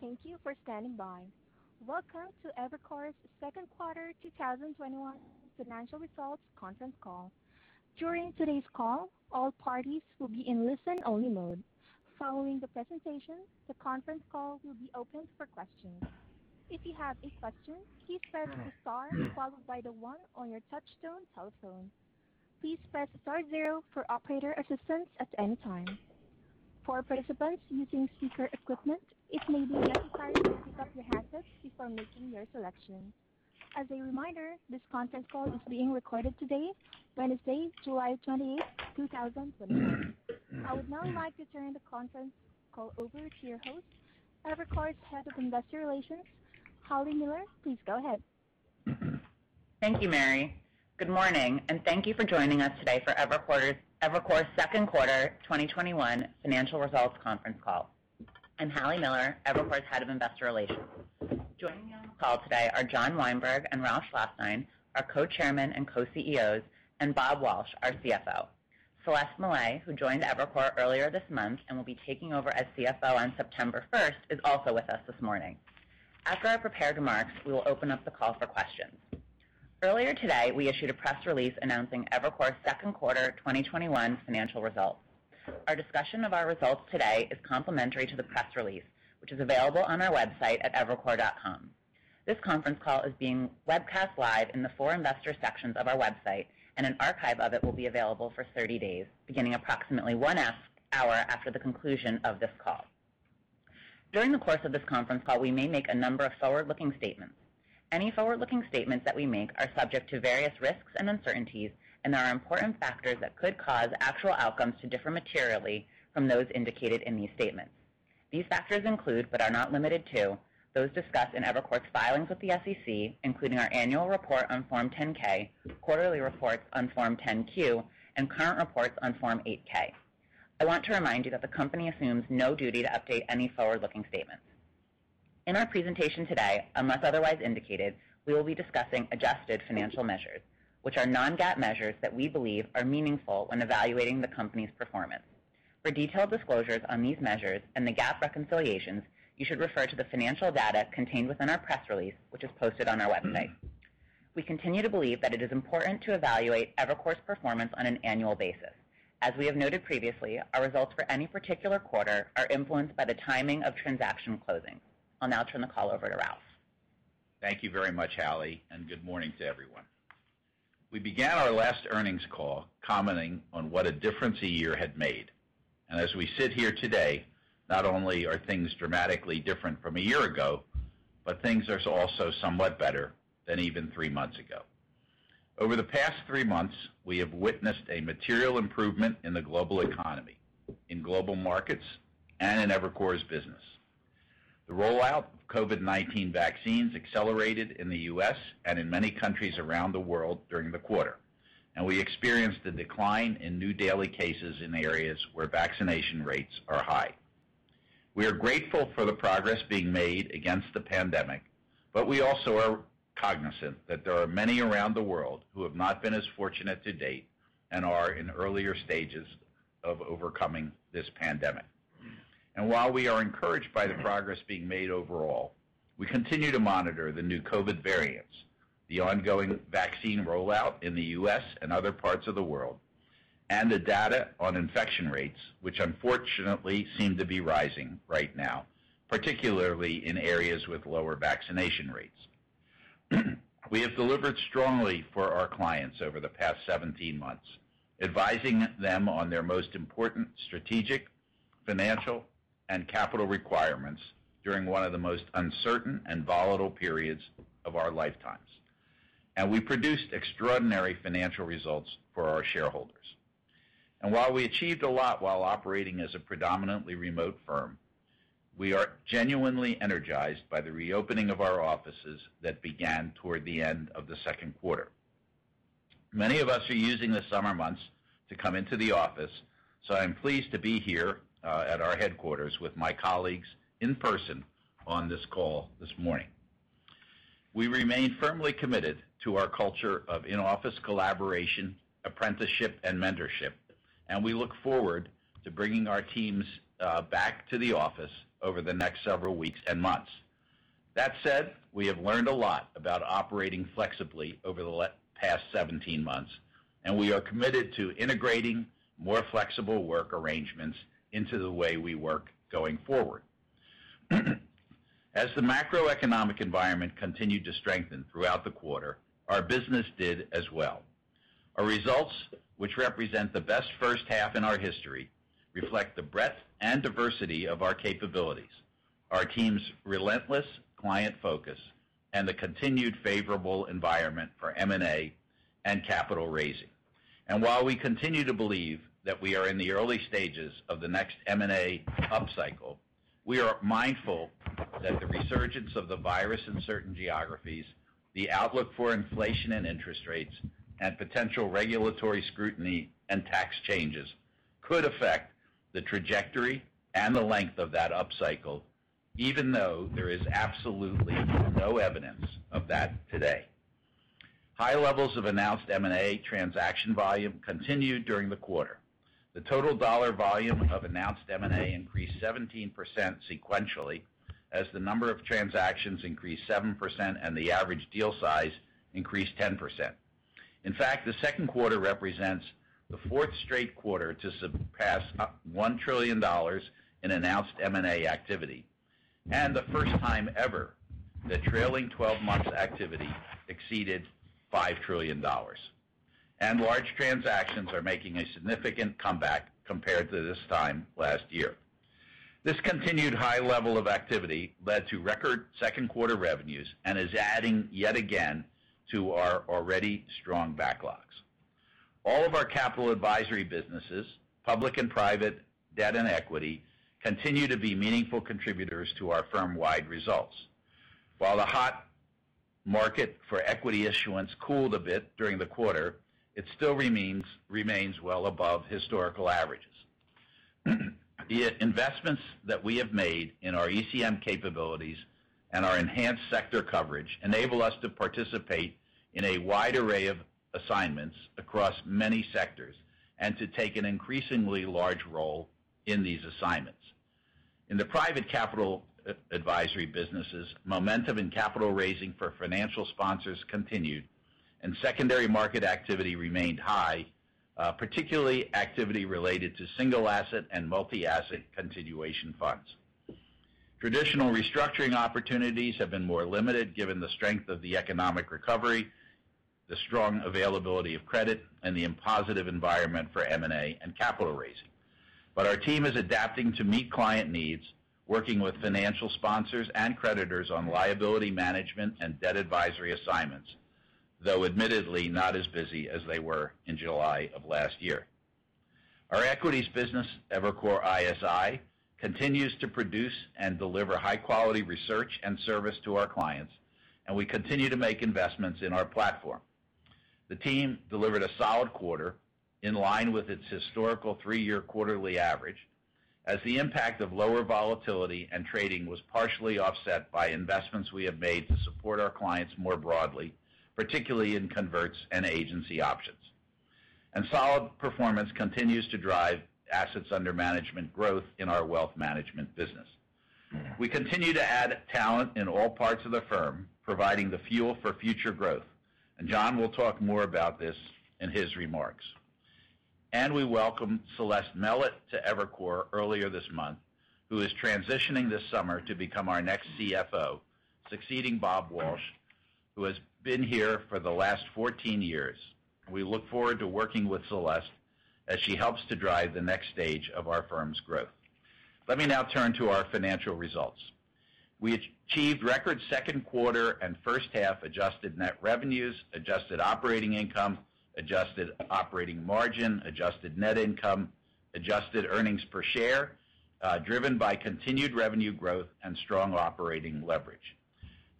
Good morning, and thank you for standing by. Welcome to Evercore's Q2 2021 Financial Results Conference Call. During today's call, all parties will be in listen-only mode. Following the presentation, the conference call will be opened for questions. If you have a question, please press star followed by the one on your touchtone telephone. Please press star zero for operator assistance at any time. For participants using speaker equipment, it may be necessary to pick up your handset before making your selection. As a reminder, this conference call is being recorded today, Wednesday, July 28th, 2021. I would now like to turn the conference call over to your host, Evercore's Head of Investor Relations, Hallie Miller. Please go ahead. Thank you, Mary. Good morning, and thank you for joining us today for Evercore's Q2 2021 Financial Results Conference Call. I'm Hallie Miller, Evercore's Head of Investor Relations. Joining me on the call today are John Weinberg and Ralph Schlosstein, our Co-Chairman and Co-CEOs, and Bob Walsh, our CFO. Celeste Mellet, who joined Evercore earlier this month and will be taking over as CFO on September 1st, is also with us this morning. After our prepared remarks, we will open up the call for questions. Earlier today, we issued a press release announcing Evercore's Q2 2021 financial results. Our discussion of our results today is complementary to the press release, which is available on our website at evercore.com. This conference call is being webcast live in the Investor section of our website. An archive of it will be available for 30 days, beginning approximately one hour after the conclusion of this call. During the course of this conference call, we may make a number of forward-looking statements. Any forward-looking statements that we make are subject to various risks and uncertainties. There are important factors that could cause actual outcomes to differ materially from those indicated in these statements. These factors include, but are not limited to, those discussed in Evercore's filings with the SEC, including our annual report on Form 10-K, quarterly reports on Form 10-Q, Current reports on Form 8-K. I want to remind you that the company assumes no duty to update any forward-looking statements. In our presentation today, unless otherwise indicated, we will be discussing adjusted financial measures, which are non-GAAP measures that we believe are meaningful when evaluating the company's performance. For detailed disclosures on these measures and the GAAP reconciliations, you should refer to the financial data contained within our press release, which is posted on our website. We continue to believe that it is important to evaluate Evercore's performance on an annual basis. As we have noted previously, our results for any particular quarter are influenced by the timing of transaction closing. I'll now turn the call over to Ralph. Thank you very much, Hallie, and good morning to everyone. We began our last earnings call commenting on what a difference a year had made. As we sit here today, not only are things dramatically different from a year ago, but things are also somewhat better than even three months ago. Over the past three months, we have witnessed a material improvement in the global economy, in global markets, and in Evercore's business. The rollout of COVID-19 vaccines accelerated in the U.S. and in many countries around the world during the quarter, and we experienced a decline in new daily cases in areas where vaccination rates are high. We are grateful for the progress being made against the pandemic, but we also are cognizant that there are many around the world who have not been as fortunate to date and are in earlier stages of overcoming this pandemic. While we are encouraged by the progress being made overall, we continue to monitor the new COVID variants, the ongoing vaccine rollout in the U.S. and other parts of the world, and the data on infection rates, which unfortunately seem to be rising right now, particularly in areas with lower vaccination rates. We have delivered strongly for our clients over the past 17 months, advising them on their most important strategic, financial, and capital requirements during one of the most uncertain and volatile periods of our lifetimes. We produced extraordinary financial results for our shareholders. While we achieved a lot while operating as a predominantly remote firm, we are genuinely energized by the reopening of our offices that began toward the end of Q2. Many of us are using the summer months to come into the office, so I'm pleased to be here at our headquarters with my colleagues in person on this call this morning. We remain firmly committed to our culture of in-office collaboration, apprenticeship, and mentorship, and we look forward to bringing our teams back to the office over the next several weeks and months. That said, we have learned a lot about operating flexibly over the past 17 months, and we are committed to integrating more flexible work arrangements into the way we work going forward. As the macroeconomic environment continued to strengthen throughout the quarter, our business did as well. Our results, which represent the best H1 in our history, reflect the breadth and diversity of our capabilities, our team's relentless client focus, and the continued favorable environment for M&A and capital raising. While we continue to believe that we are in the early stages of the next M&A upcycle, we are mindful that the resurgence of the virus in certain geographies, the outlook for inflation and interest rates, and potential regulatory scrutiny and tax changes could affect the trajectory and the length of that upcycle, even though there is absolutely no evidence of that today. High levels of announced M&A transaction volume continued during the quarter. The total dollar volume of announced M&A increased 17% sequentially as the number of transactions increased 7% and the average deal size increased 10%. In fact, the Q2 represents the fourth straight quarter to surpass $1 trillion in announced M&A activity, and the first time ever that trailing 12 months activity exceeded $5 trillion. Large transactions are making a significant comeback compared to this time last year. This continued high level of activity led to record Q2 revenues and is adding yet again to our already strong backlogs. All of our capital advisory businesses, public and private, debt and equity, continue to be meaningful contributors to our firm-wide results. While the hot market for equity issuance cooled a bit during the quarter, it still remains well above historical averages. The investments that we have made in our ECM capabilities and our enhanced sector coverage enable us to participate in a wide array of assignments across many sectors, and to take an increasingly large role in these assignments. In the private capital advisory businesses, momentum and capital raising for financial sponsors continued, and secondary market activity remained high, particularly activity related to single-asset and multi-asset continuation funds. Traditional restructuring opportunities have been more limited given the strength of the economic recovery, the strong availability of credit, and the positive environment for M&A and capital raising. Our team is adapting to meet client needs, working with financial sponsors and creditors on liability management and debt advisory assignments, though admittedly not as busy as they were in July of last year. Our equities business, Evercore ISI, continues to produce and deliver high-quality research and service to our clients, and we continue to make investments in our platform. The team delivered a solid quarter in line with its historical three-year quarterly average, as the impact of lower volatility and trading was partially offset by investments we have made to support our clients more broadly, particularly in converts and agency options. Solid performance continues to drive assets under management growth in our wealth management business. We continue to add talent in all parts of the firm, providing the fuel for future growth, and John will talk more about this in his remarks. We welcomed Celeste Mellet to Evercore earlier this month, who is transitioning this summer to become our next CFO, succeeding Bob Walsh, who has been here for the last 14 years. We look forward to working with Celeste as she helps to drive the next stage of our firm's growth. Let me now turn to our financial results. We achieved record Q2 and H1 adjusted net revenues, adjusted operating income, adjusted operating margin, adjusted net income, adjusted earnings per share, driven by continued revenue growth and strong operating leverage.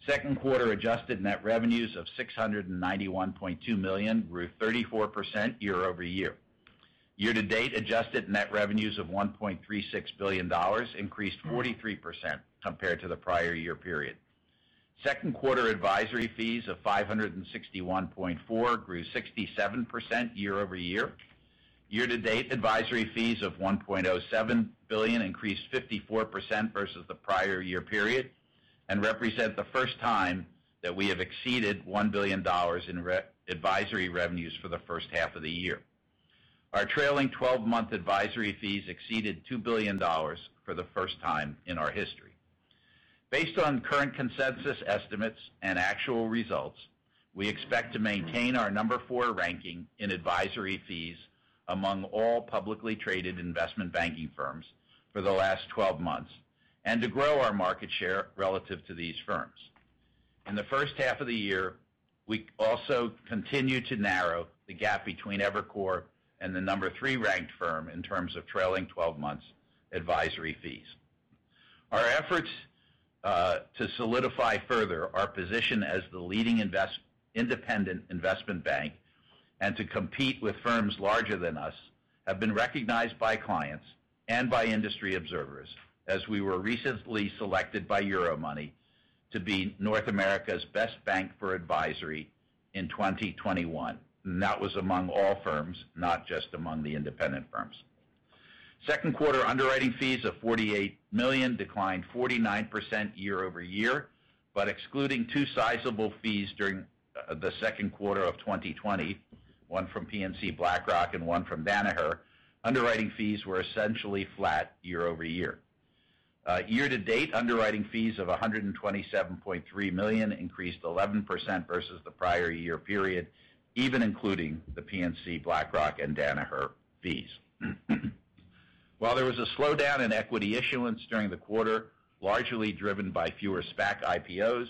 Q2 adjusted net revenues of $691.2 million grew 34% year-over-year. Year to date, adjusted net revenues of $1.36 billion increased 43% compared to the prior year period. Q2 advisory fees of $561.4 grew 67% year-over-year. Year to date, advisory fees of $1.07 billion increased 54% versus the prior year period and represent the first time that we have exceeded $1 billion in advisory revenues for the H1 of the year. Our trailing 12-month advisory fees exceeded $2 billion for the first time in our history. Based on current consensus estimates and actual results, we expect to maintain our number four ranking in advisory fees among all publicly traded investment banking firms for the last 12 months, and to grow our market share relative to these firms. In the H1 of the year, we also continued to narrow the gap between Evercore and the number three ranked firm in terms of trailing 12 months advisory fees. Our efforts to solidify further our position as the leading independent investment bank and to compete with firms larger than us have been recognized by clients and by industry observers as we were recently selected by Euromoney to be North America's best bank for advisory in 2021. That was among all firms, not just among the independent firms. Q2 underwriting fees of $48 million declined 49% year-over-year, but excluding two sizable fees during the Q2 of 2020, one from PNC BlackRock and one from Danaher, underwriting fees were essentially flat year-over-year. Year-to-date, underwriting fees of $127.3 million increased 11% versus the prior year period, even including the PNC BlackRock and Danaher fees. While there was a slowdown in equity issuance during the quarter, largely driven by fewer SPAC IPOs,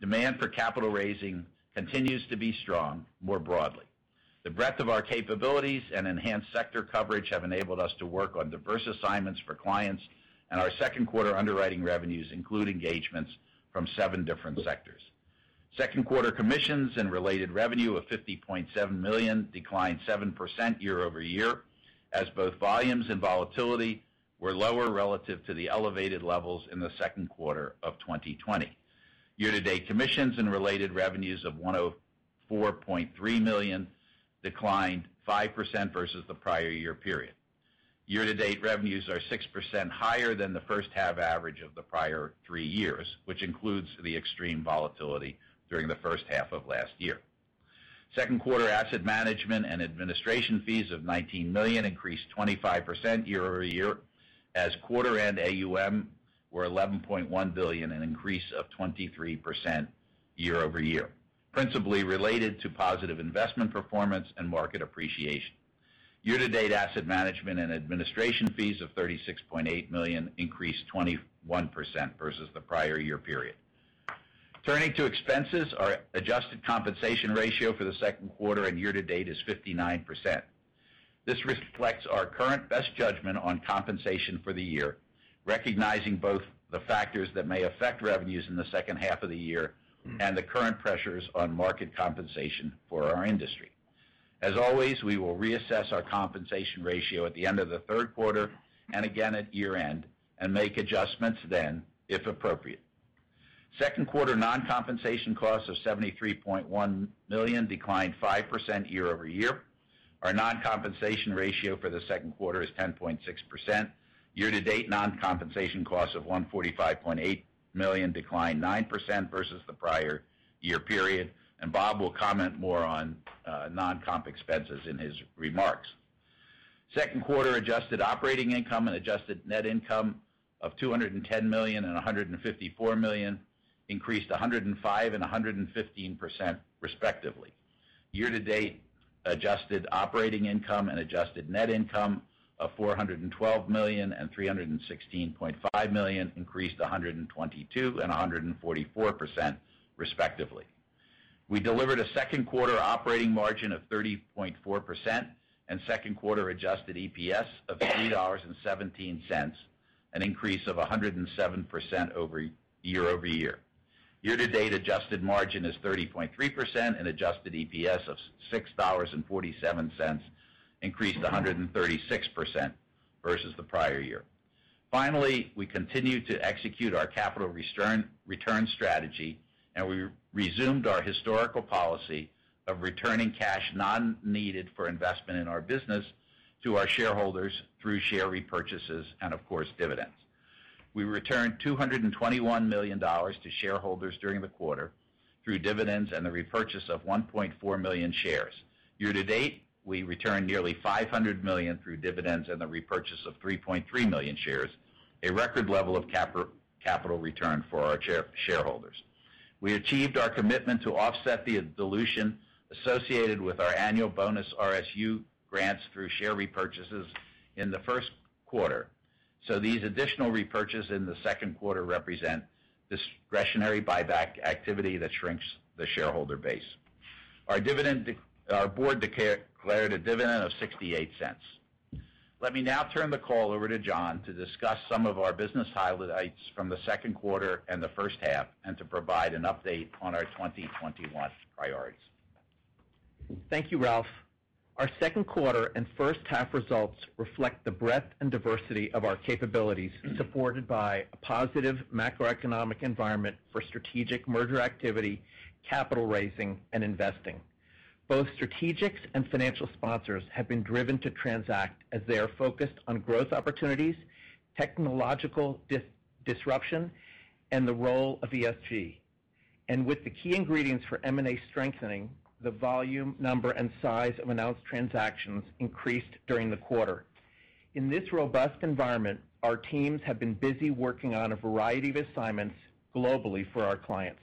demand for capital raising continues to be strong more broadly. The breadth of our capabilities and enhanced sector coverage have enabled us to work on diverse assignments for clients, and our Q2 underwriting revenues include engagements from seven different sectors. Q2 commissions and related revenue of $50.7 million declined 7% year-over-year, as both volumes and volatility were lower relative to the elevated levels in the Q2 of 2020. Year-to-date commissions and related revenues of $104.3 million declined 5% versus the prior year period. Year-to-date revenues are 6% higher than the H1 average of the prior three years, which includes the extreme volatility during the H1 of last year. Q2 asset management and administration fees of $19 million increased 25% year-over-year, as quarter end AUM were $11.1 billion, an increase of 23% year-over-year, principally related to positive investment performance and market appreciation. Year to date asset management and administration fees of $36.8 million increased 21% versus the prior year period. Turning to expenses, our adjusted compensation ratio for the Q2 and year to date is 59%. This reflects our current best judgment on compensation for the year, recognizing both the factors that may affect revenues in the H2 of the year and the current pressures on market compensation for our industry. As always, we will reassess our compensation ratio at the end of the third quarter and again at year end and make adjustments then, if appropriate. Q2 non-compensation costs of $73.1 million declined 5% year-over-year. Our non-compensation ratio for the Q2 is 10.6%. Year to date non-compensation costs of $145.8 million declined 9% versus the prior year period. Bob will comment more on non-comp expenses in his remarks. Q2 adjusted operating income and adjusted net income of $210 million and $154 million increased 105% and 115% respectively. Year to date adjusted operating income and adjusted net income of $412 million and $316.5 million increased 122% and 144% respectively. We delivered a Q2 operating margin of 30.4% and Q2 adjusted EPS of $3.17, an increase of 107% year-over-year. Year to date adjusted margin is 30.3% and adjusted EPS of $6.47 increased 136% versus the prior year. Finally, we continue to execute our capital return strategy, and we resumed our historical policy of returning cash not needed for investment in our business to our shareholders through share repurchases and of course, dividends. We returned $221 million to shareholders during the quarter through dividends and the repurchase of 1.4 million shares. Year to date, we returned nearly $500 million through dividends and the repurchase of 3.3 million shares, a record level of capital return for our shareholders. We achieved our commitment to offset the dilution associated with our annual bonus RSU grants through share repurchases in the Q1. These additional repurchases in the Q2 represent discretionary buyback activity that shrinks the shareholder base. Our board declared a dividend of $0.68. Let me now turn the call over to John to discuss some of our business highlights from the Q2 and the H1, and to provide an update on our 2021 priorities. Thank you, Ralph. Our Q2 and H1 results reflect the breadth and diversity of our capabilities, supported by a positive macroeconomic environment for strategic merger activity, capital raising, and investing. Both strategic and financial sponsors have been driven to transact as they are focused on growth opportunities, technological disruption, and the role of ESG. With the key ingredients for M&A strengthening, the volume, number, and size of announced transactions increased during the quarter. In this robust environment, our teams have been busy working on a variety of assignments globally for our clients.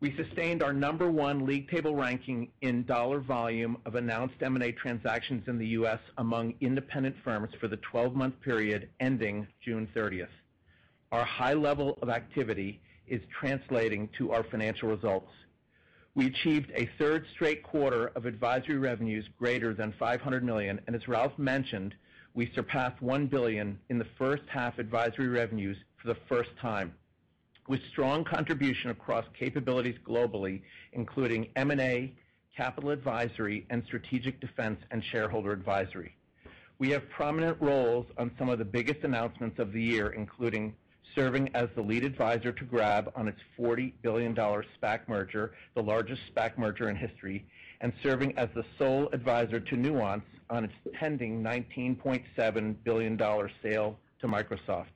We sustained our number one league table ranking in dollar volume of announced M&A transactions in the U.S. among independent firms for the 12-month period ending June 30th. Our high level of activity is translating to our financial results. We achieved a third straight quarter of advisory revenues greater than $500 million. As Ralph mentioned, we surpassed $1 billion in the H1 advisory revenues for the first time, with strong contribution across capabilities globally, including M&A, capital advisory, and strategic defense and shareholder advisory. We have prominent roles on some of the biggest announcements of the year, including serving as the lead advisor to Grab on its $40 billion SPAC merger, the largest SPAC merger in history. Serving as the sole advisor to Nuance on its pending $19.7 billion sale to Microsoft.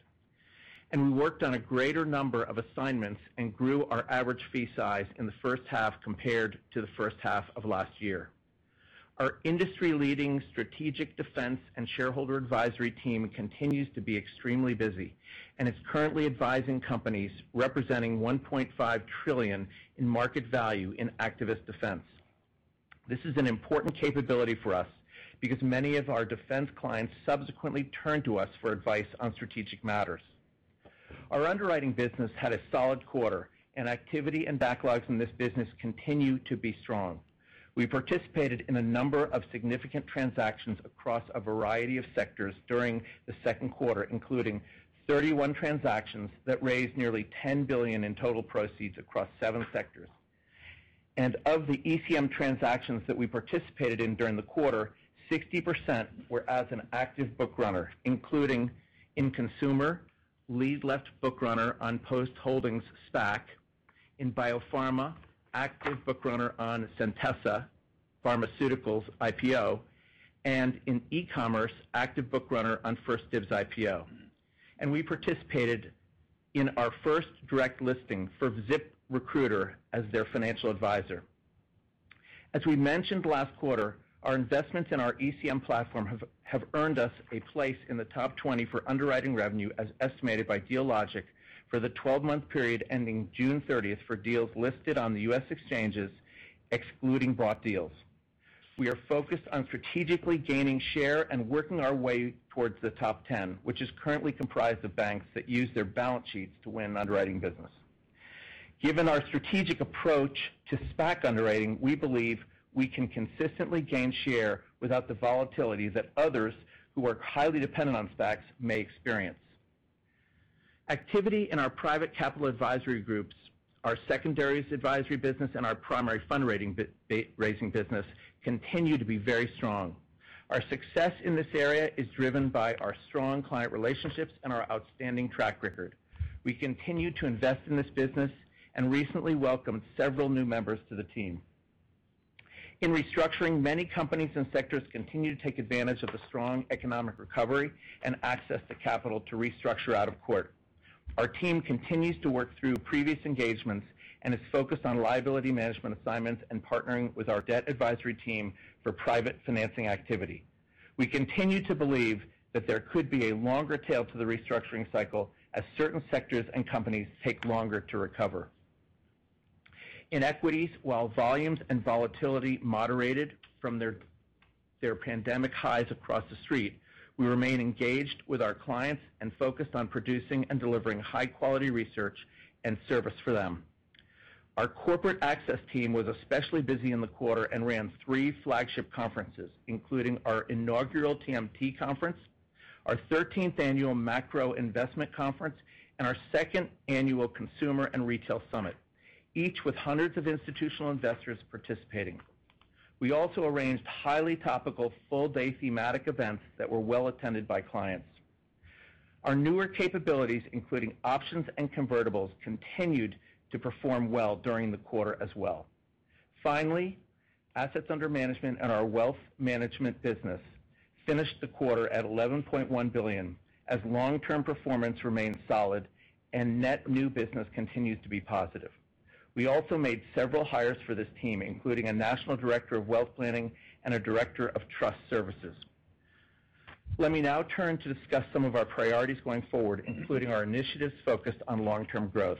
We worked on a greater number of assignments and grew our average fee size in the H1 compared to the H1 of last year. Our industry-leading strategic defense and shareholder advisory team continues to be extremely busy and is currently advising companies representing $1.5 trillion in market value in activist defense. This is an important capability for us because many of our defense clients subsequently turn to us for advice on strategic matters. Our underwriting business had a solid quarter, and activity and backlogs in this business continue to be strong. We participated in a number of significant transactions across a variety of sectors during the Q2, including 31 transactions that raised nearly $10 billion in total proceeds across seven sectors. Of the ECM transactions that we participated in during the quarter, 60% were as an active book runner, including in consumer, lead left book runner on Post Holdings SPAC, in biopharma, active book runner on Centessa Pharmaceuticals IPO, and in e-commerce, active book runner on 1stDibs IPO. We participated in our first direct listing for ZipRecruiter as their financial advisor. As we mentioned last quarter, our investments in our ECM platform have earned us a place in the top 20 for underwriting revenue, as estimated by Dealogic, for the 12-month period ending June 30th for deals listed on the U.S. exchanges, excluding bought deals. We are focused on strategically gaining share and working our way towards the top 10, which is currently comprised of banks that use their balance sheets to win underwriting business. Given our strategic approach to SPAC underwriting, we believe we can consistently gain share without the volatility that others who are highly dependent on SPACs may experience. Activity in our private capital advisory groups, our secondaries advisory business, and our primary fund-raising business continue to be very strong. Our success in this area is driven by our strong client relationships and our outstanding track record. We continue to invest in this business and recently welcomed several new members to the team. In restructuring, many companies and sectors continue to take advantage of the strong economic recovery and access to capital to restructure out of court. Our team continues to work through previous engagements and is focused on liability management assignments and partnering with our debt advisory team for private financing activity. We continue to believe that there could be a longer tail to the restructuring cycle as certain sectors and companies take longer to recover. In equities, while volumes and volatility moderated from their pandemic highs across the street, we remain engaged with our clients and focused on producing and delivering high-quality research and service for them. Our corporate access team was especially busy in the quarter and ran three flagship conferences, including our inaugural TMT conference, our 13th annual macro investment conference, and our second annual consumer and retail summit, each with hundreds of institutional investors participating. We also arranged highly topical, full-day thematic events that were well attended by clients. Our newer capabilities, including options and convertibles, continued to perform well during the quarter as well. Finally, assets under management in our wealth management business finished the quarter at $11.1 billion as long-term performance remained solid and net new business continues to be positive. We also made several hires for this team, including a national director of wealth planning and a director of trust services. Let me now turn to discuss some of our priorities going forward, including our initiatives focused on long-term growth.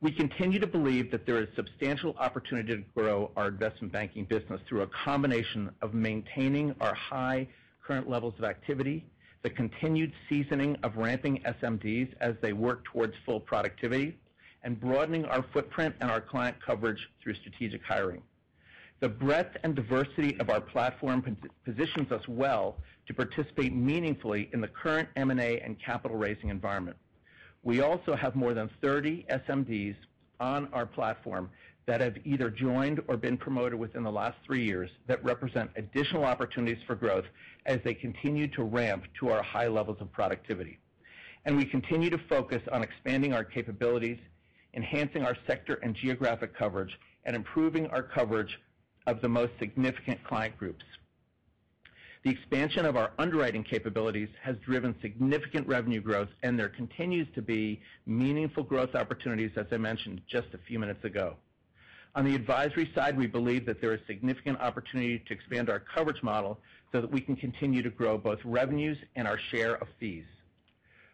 We continue to believe that there is substantial opportunity to grow our investment banking business through a combination of maintaining our high current levels of activity, the continued seasoning of ramping SMDs as they work towards full productivity, and broadening our footprint and our client coverage through strategic hiring. The breadth and diversity of our platform positions us well to participate meaningfully in the current M&A and capital-raising environment. We also have more than 30 SMDs on our platform that have either joined or been promoted within the last three years that represent additional opportunities for growth as they continue to ramp to our high levels of productivity. We continue to focus on expanding our capabilities, enhancing our sector and geographic coverage, and improving our coverage of the most significant client groups. The expansion of our underwriting capabilities has driven significant revenue growth, and there continues to be meaningful growth opportunities, as I mentioned just a few minutes ago. On the advisory side, we believe that there is significant opportunity to expand our coverage model so that we can continue to grow both revenues and our share of fees.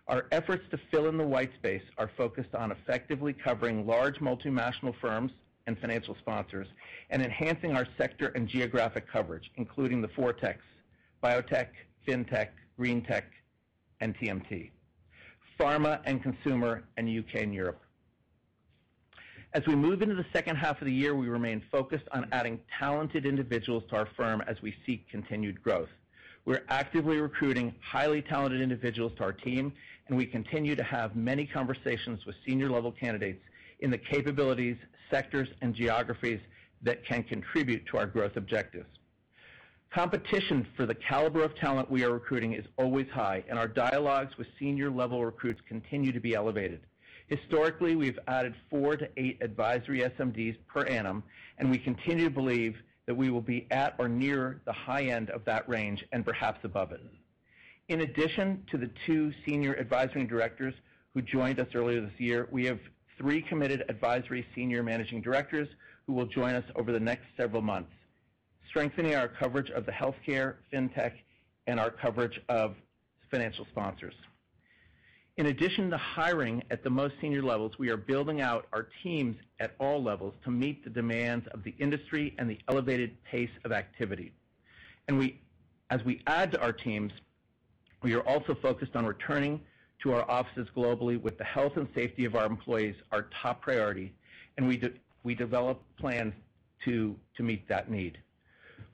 Our efforts to fill in the white space are focused on effectively covering large multinational firms and financial sponsors and enhancing our sector and geographic coverage, including the four techs, biotech, fintech, green tech, and TMT, pharma and consumer in U.K. and Europe. As we move into the H2 of the year, we remain focused on adding talented individuals to our firm as we seek continued growth. We're actively recruiting highly talented individuals to our team, and we continue to have many conversations with senior-level candidates in the capabilities, sectors, and geographies that can contribute to our growth objectives. Competition for the caliber of talent we are recruiting is always high, and our dialogues with senior-level recruits continue to be elevated. Historically, we've added four to eight advisory SMDs per annum, and we continue to believe that we will be at or near the high end of that range and perhaps above it. In addition to the two senior advisory directors who joined us earlier this year, we have three committed advisory senior managing directors who will join us over the next several months, strengthening our coverage of the healthcare, fintech, and our coverage of financial sponsors. In addition to hiring at the most senior levels, we are building out our teams at all levels to meet the demands of the industry and the elevated pace of activity. As we add to our teams, we are also focused on returning to our offices globally with the health and safety of our employees our top priority, and we develop plans to meet that need.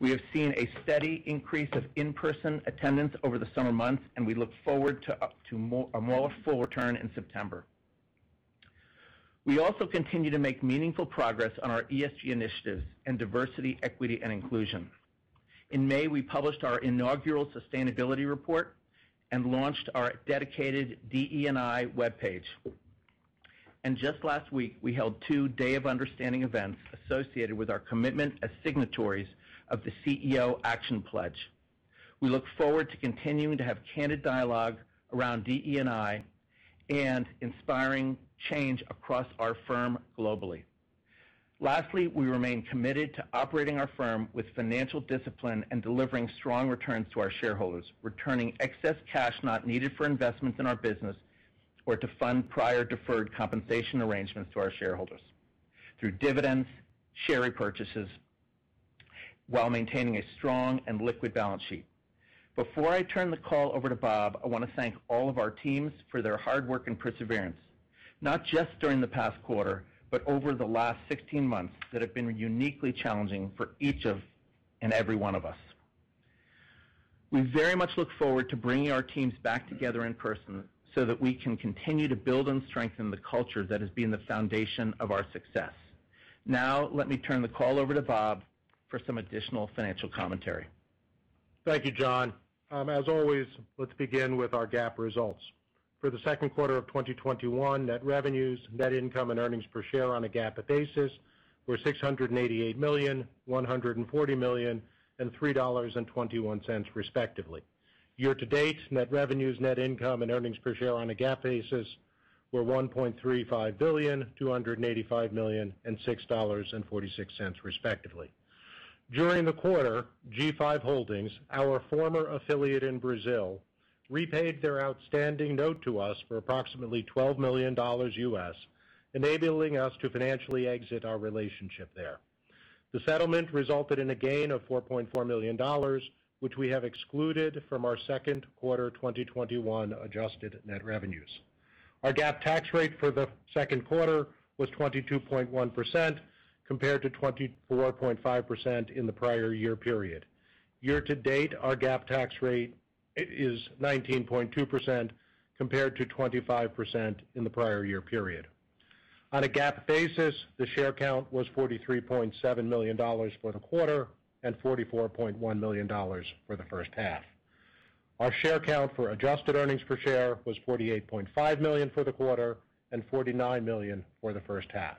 We have seen a steady increase of in-person attendance over the summer months, and we look forward to a more full return in September. We also continue to make meaningful progress on our ESG initiatives in diversity, equity, and inclusion. In May, we published our inaugural sustainability report and launched our dedicated DE&I webpage. Just last week, we held two Day of Understanding events associated with our commitment as signatories of the CEO Action Pledge. We look forward to continuing to have candid dialogue around DE&I and inspiring change across our firm globally. Lastly, we remain committed to operating our firm with financial discipline and delivering strong returns to our shareholders, returning excess cash not needed for investments in our business or to fund prior deferred compensation arrangements to our shareholders through dividends, share repurchases, while maintaining a strong and liquid balance sheet. Before I turn the call over to Bob, I want to thank all of our teams for their hard work and perseverance, not just during the past quarter, but over the last 16 months that have been uniquely challenging for each of and every one of us. We very much look forward to bringing our teams back together in person so that we can continue to build and strengthen the culture that has been the foundation of our success. Now, let me turn the call over to Bob for some additional financial commentary. Thank you, John. As always, let's begin with our GAAP results. For the Q2 of 2021, net revenues, net income, and earnings per share on a GAAP basis were $688 million, $140 million, and $3.21, respectively. Year to date, net revenues, net income, and earnings per share on a GAAP basis were $1.35 billion, $285 million, and $6.46, respectively. During the quarter, G5 Holdings, our former affiliate in Brazil, repaid their outstanding note to us for approximately $12 million U.S., enabling us to financially exit our relationship there. The settlement resulted in a gain of $4.4 million, which we have excluded from our Q2 2021 adjusted net revenues. Our GAAP tax rate for the Q2 was 22.1%, compared to 24.5% in the prior year period. Year to date, our GAAP tax rate is 19.2%, compared to 25% in the prior year period. On a GAAP basis, the share count was $43.7 million for the quarter and $44.1 million for the H1. Our share count for adjusted earnings per share was $48.5 million for the quarter and $49 million for the H1.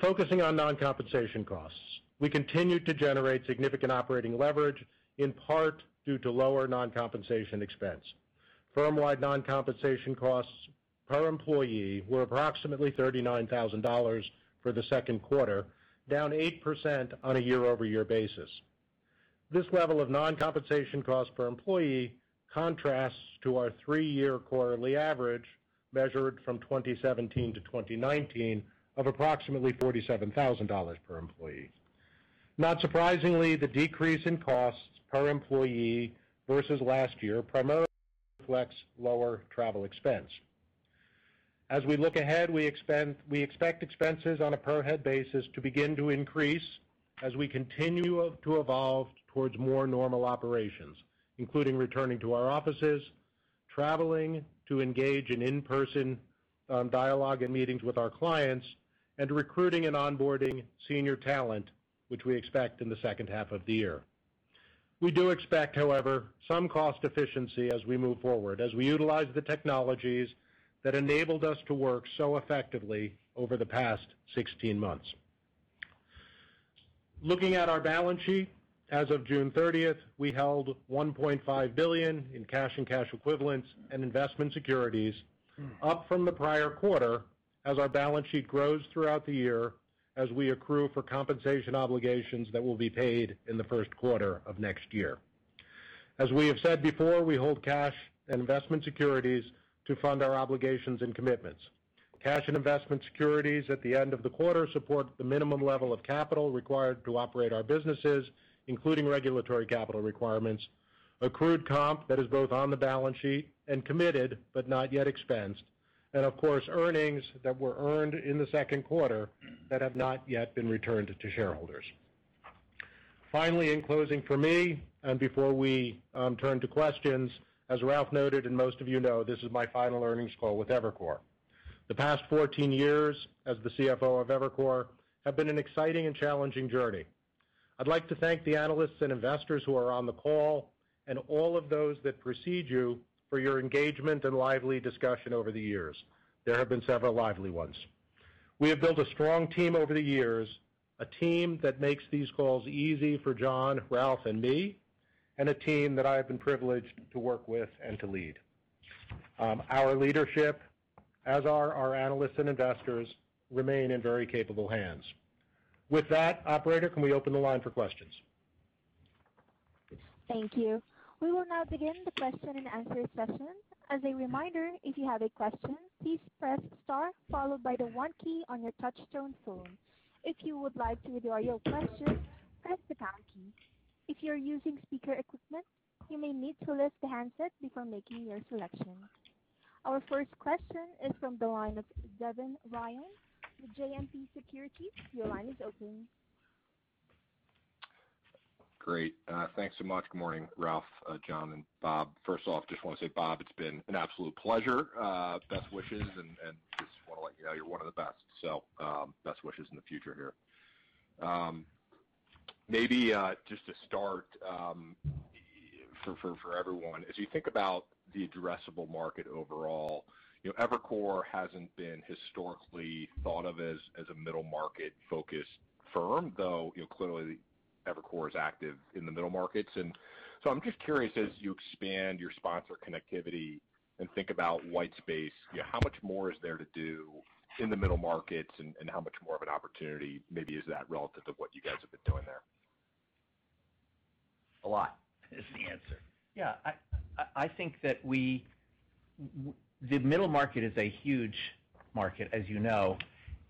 Focusing on non-compensation costs, we continued to generate significant operating leverage, in part due to lower non-compensation expense. Firmwide non-compensation costs per employee were approximately $39,000 for the Q2, down 8% on a year-over-year basis. This level of non-compensation cost per employee contrasts to our three-year quarterly average, measured from 2017 to 2019, of approximately $47,000 per employee. Not surprisingly, the decrease in costs per employee versus last year primarily reflects lower travel expense. As we look ahead, we expect expenses on a per head basis to begin to increase as we continue to evolve towards more normal operations, including returning to our offices, traveling to engage in in-person dialogue and meetings with our clients, and recruiting and onboarding senior talent, which we expect in the H2 of the year. We do expect, however, some cost efficiency as we move forward, as we utilize the technologies that enabled us to work so effectively over the past 16 months. Looking at our balance sheet, as of June 30th, we held $1.5 billion in cash and cash equivalents and investment securities, up from the prior quarter as our balance sheet grows throughout the year as we accrue for compensation obligations that will be paid in the Q1 of next year. As we have said before, we hold cash and investment securities to fund our obligations and commitments. Cash and investment securities at the end of the quarter support the minimum level of capital required to operate our businesses, including regulatory capital requirements, accrued comp that is both on the balance sheet and committed but not yet expensed, and of course, earnings that were earned in Q2 that have not yet been returned to shareholders. Finally, in closing for me, and before we turn to questions, as Ralph noted and most of you know, this is my final earnings call with Evercore. The past 14 years as the CFO of Evercore have been an exciting and challenging journey. I'd like to thank the analysts and investors who are on the call and all of those that precede you for your engagement and lively discussion over the years. There have been several lively ones. We have built a strong team over the years, a team that makes these calls easy for John, Ralph, and me, and a team that I have been privileged to work with and to lead. Our leadership, as are our analysts and investors, remain in very capable hands. With that, operator, can we open the line for questions? Thank you. We will now begin the question and answer session. As a reminder, if you have a question please press star followed by the one key on your touch tone phone. If you would to withdraw your question press the star key. If you are using speaker equipment you may need to pick up your handset before making your selection. Our first question is from the line of Devin Ryan with JMP Securities. Your line is open. Great. Thanks so much. Morning, Ralph, John, and Bob. First off, just want to say, Bob, it's been an absolute pleasure. Best wishes, and just want to let you know you're one of the best. Best wishes in the future here. Maybe just to start, for everyone, as you think about the addressable market overall, Evercore hasn't been historically thought of as a middle-market-focused firm, though clearly Evercore is active in the middle markets. I'm just curious, as you expand your sponsor connectivity and think about white space, how much more is there to do in the middle markets and how much more of an opportunity maybe is that relative to what you guys have been doing there? A lot is the answer. I think that the middle market is a huge market as you know,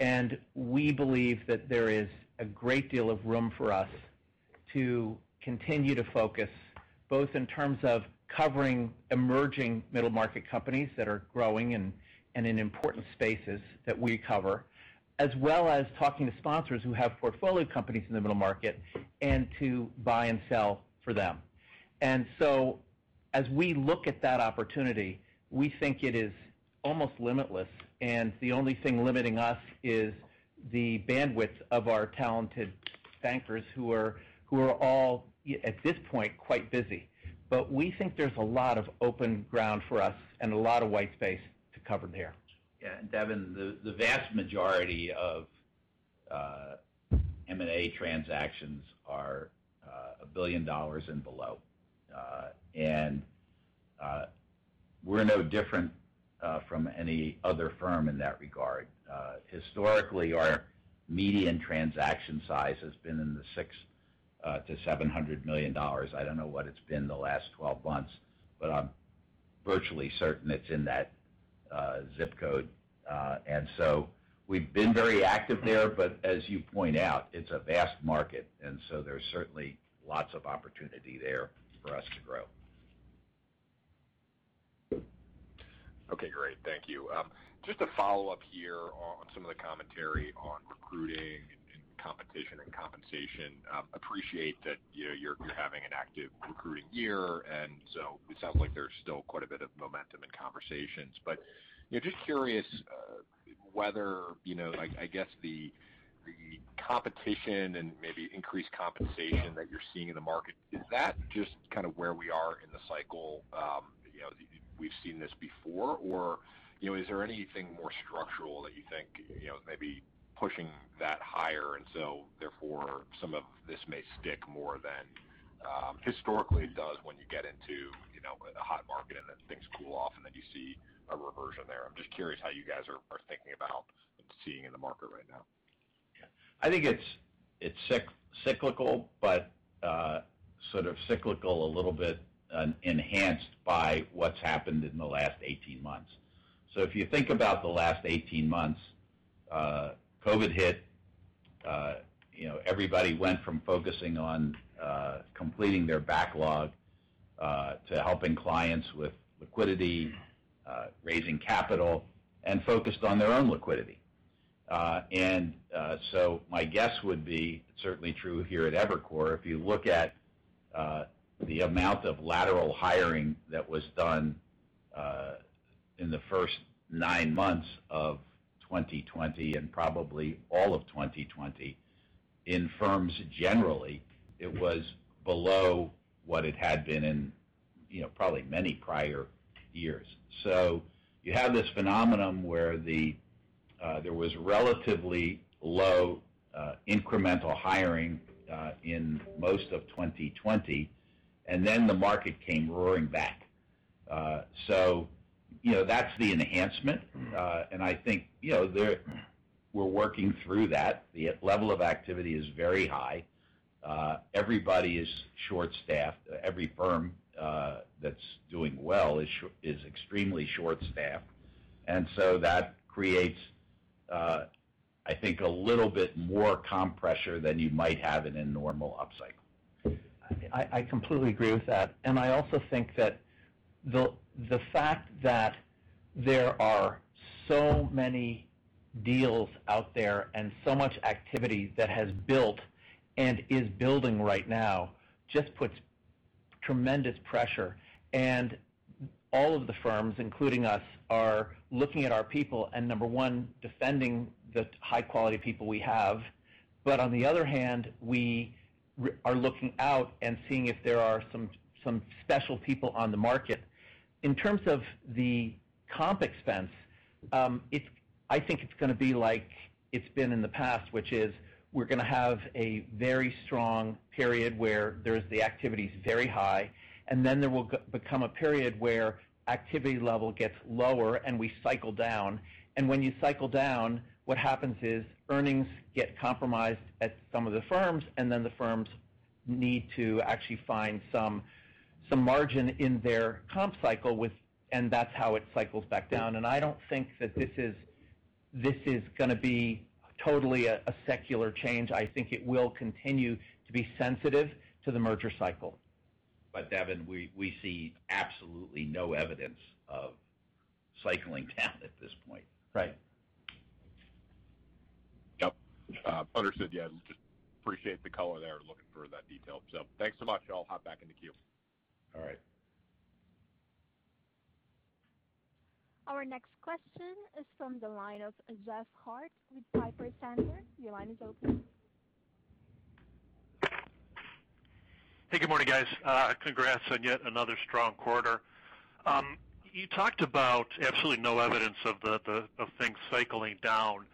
and we believe that there is a great deal of room for us to continue to focus, both in terms of covering emerging middle-market companies that are growing and in important spaces that we cover, as well as talking to sponsors who have portfolio companies in the middle market and to buy and sell for them. As we look at that opportunity, we think it is almost limitless, and the only thing limiting us is the bandwidth of our talented bankers who are all, at this point, quite busy. We think there's a lot of open ground for us and a lot of white space to cover there. Yeah. Devin, the vast majority of M&A transactions are $1 billion and below. We're no different from any other firm in that regard. Historically, our median transaction size has been in the $600 million-$700 million. I don't know what it's been the last 12 months, but I'm virtually certain it's in that ZIP code. We've been very active there, but as you point out, it's a vast market, and so there's certainly lots of opportunity there for us to grow. Okay, great. Thank you. Just a follow-up here on some of the commentary on recruiting and competition and compensation. Appreciate that you're having an active recruiting year, and so it sounds like there's still quite a bit of momentum and conversations. Just curious whether, I guess the competition and maybe increased compensation that you're seeing in the market, is that just kind of where we are in the cycle? We've seen this before. Is there anything more structural that you think maybe pushing that higher, and so therefore, some of this may stick more than historically it does when you get into a hot market and then things cool off, and then you see a reversion there. I'm just curious how you guys are thinking about and seeing in the market right now. Yeah. I think it's cyclical, but sort of cyclical a little bit enhanced by what's happened in the last 18 months. If you think about the last 18 months, COVID hit, everybody went from focusing on completing their backlog, to helping clients with liquidity, raising capital, and focused on their own liquidity. My guess would be, certainly true here at Evercore, if you look at the amount of lateral hiring that was done in the first nine months of 2020 and probably all of 2020 in firms, generally, it was below what it had been in probably many prior years. You have this phenomenon where there was relatively low incremental hiring in most of 2020, and then the market came roaring back. That's the enhancement, and I think we're working through that. The level of activity is very high. Everybody is short-staffed. Every firm that's doing well is extremely short-staffed. That creates, I think, a little bit more comp pressure than you might have in a normal upcycle. I completely agree with that. I also think that the fact that there are so many deals out there and so much activity that has built and is building right now just puts tremendous pressure. All of the firms, including us, are looking at our people and number one, defending the high-quality people we have. On the other hand, we are looking out and seeing if there are some special people on the market. In terms of the comp expense, I think it's going to be like it's been in the past, which is we're going to have a very strong period where there's the activity's very high, and then there will become a period where activity level gets lower, and we cycle down. When you cycle down, what happens is earnings get compromised at some of the firms, and then the firms need to actually find some margin in their comp cycle and that's how it cycles back down. I don't think that this is going to be totally a secular change. I think it will continue to be sensitive to the merger cycle. Devin, we see absolutely no evidence of cycling down at this point. Right. Yep. Understood. Yeah. Just appreciate the color there. Looking for that detail. Thanks so much. I'll hop back in the queue. All right. Our next question is from the line of Jeff Harte with Piper Sandler. Your line is open. Hey, good morning, guys. Congrats on yet another strong quarter. You talked about absolutely no evidence of things cycling down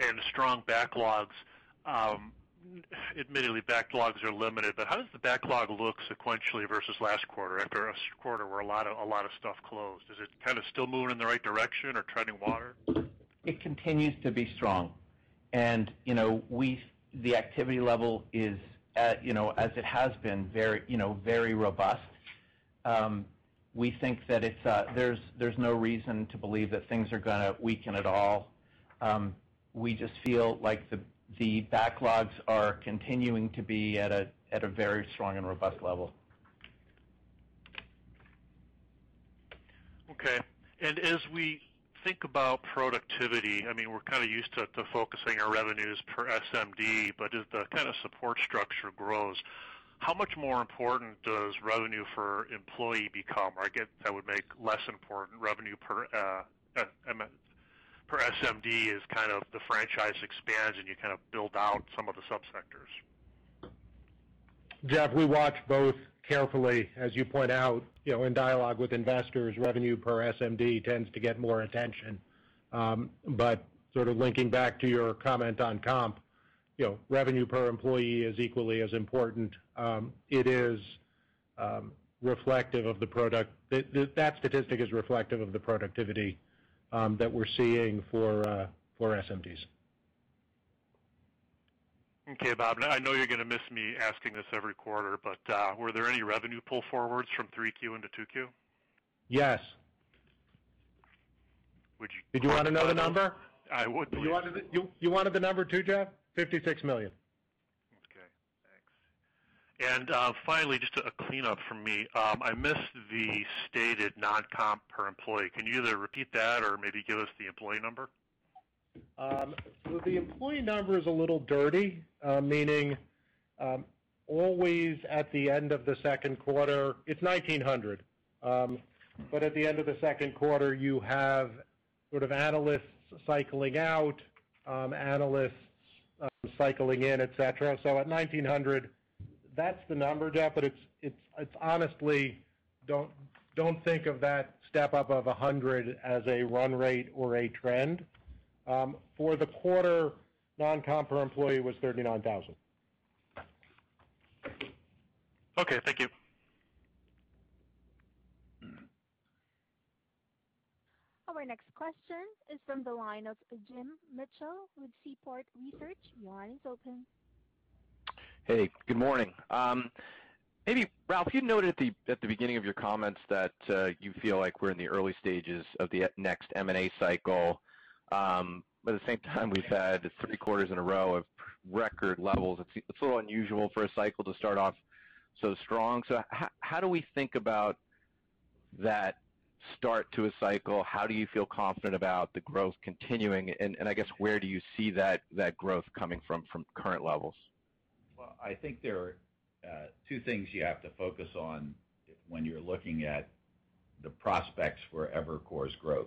and strong backlogs. Admittedly, backlogs are limited, how does the backlog look sequentially versus last quarter after a quarter where a lot of stuff closed? Is it kind of still moving in the right direction or treading water? It continues to be strong, and the activity level is, as it has been, very robust. We think that there's no reason to believe that things are going to weaken at all. We just feel like the backlogs are continuing to be at a very strong and robust level. Okay. As we think about productivity, we're kind of used to focusing our revenues per SMD, but as the kind of support structure grows, how much more important does revenue per employee become? I get that would make less important revenue per SMD as kind of the franchise expands and you kind of build out some of the subsectors. Jeff Harte, we watch both carefully. As you point out, in dialogue with investors, revenue per SMD tends to get more attention. Sort of linking back to your comment on comp, revenue per employee is equally as important. That statistic is reflective of the productivity that we're seeing for SMDs. Okay. Bob, I know you're going to miss me asking this every quarter, but were there any revenue pull forwards from Q3 into Q2? Yes. Would you- Did you want to know the number? I would, please. You wanted the number too, Jeff? $56 million. Okay, thanks. Finally, just a cleanup from me. I missed the stated non-comp per employee. Can you either repeat that or maybe give us the employee number? The employee number is a little dirty. Meaning, always at the end of the Q2, it's 1,900. At the end of the Q2, you have sort of analysts cycling out, analysts cycling in, et cetera. At 1,900, that's the number, Jeff. Honestly, don't think of that step up of 100 as a run rate or a trend. For the quarter, non-comp per employee was $39,000. Okay. Thank you. Our next question is from the line of Jim Mitchell with Seaport Research. Your line is open. Hey, good morning. Maybe Ralph, you noted at the beginning of your comments that you feel like we're in the early stages of the next M&A cycle. At the same time, we've had three quarters in a row of record levels. It's a little unusual for a cycle to start off so strong. How do we think about that start to a cycle? How do you feel confident about the growth continuing, and I guess where do you see that growth coming from current levels? Well, I think there are two things you have to focus on when you're looking at the prospects for Evercore's growth.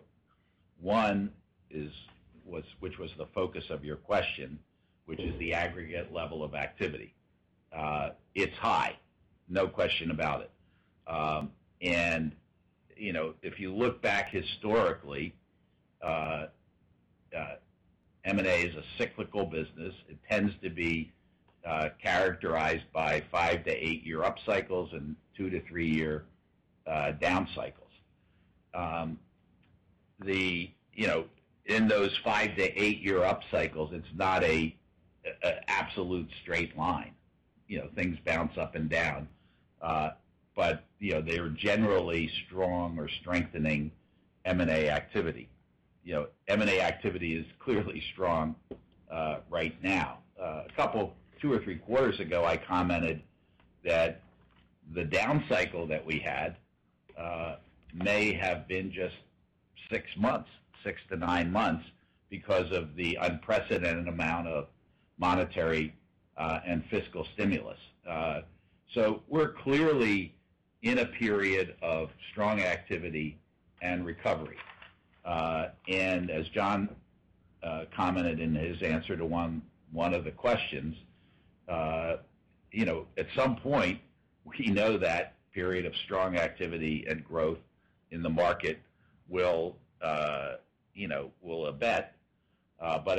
One is, which was the focus of your question, which is the aggregate level of activity. It's high, no question about it. If you look back historically, M&A is a cyclical business. It tends to be characterized by five to eight-year up cycles and two to three-year down cycles. In those five to eight-year up cycles, it's not an absolute straight line. Things bounce up and down. They're generally strong or strengthening M&A activity. M&A activity is clearly strong right now. A couple, two or three quarters ago, I commented that the down cycle that we had may have been just six months, six to nine months, because of the unprecedented amount of monetary and fiscal stimulus. We're clearly in a period of strong activity and recovery. As John commented in his answer to one of the questions, at some point, we know that period of strong activity and growth in the market will abate.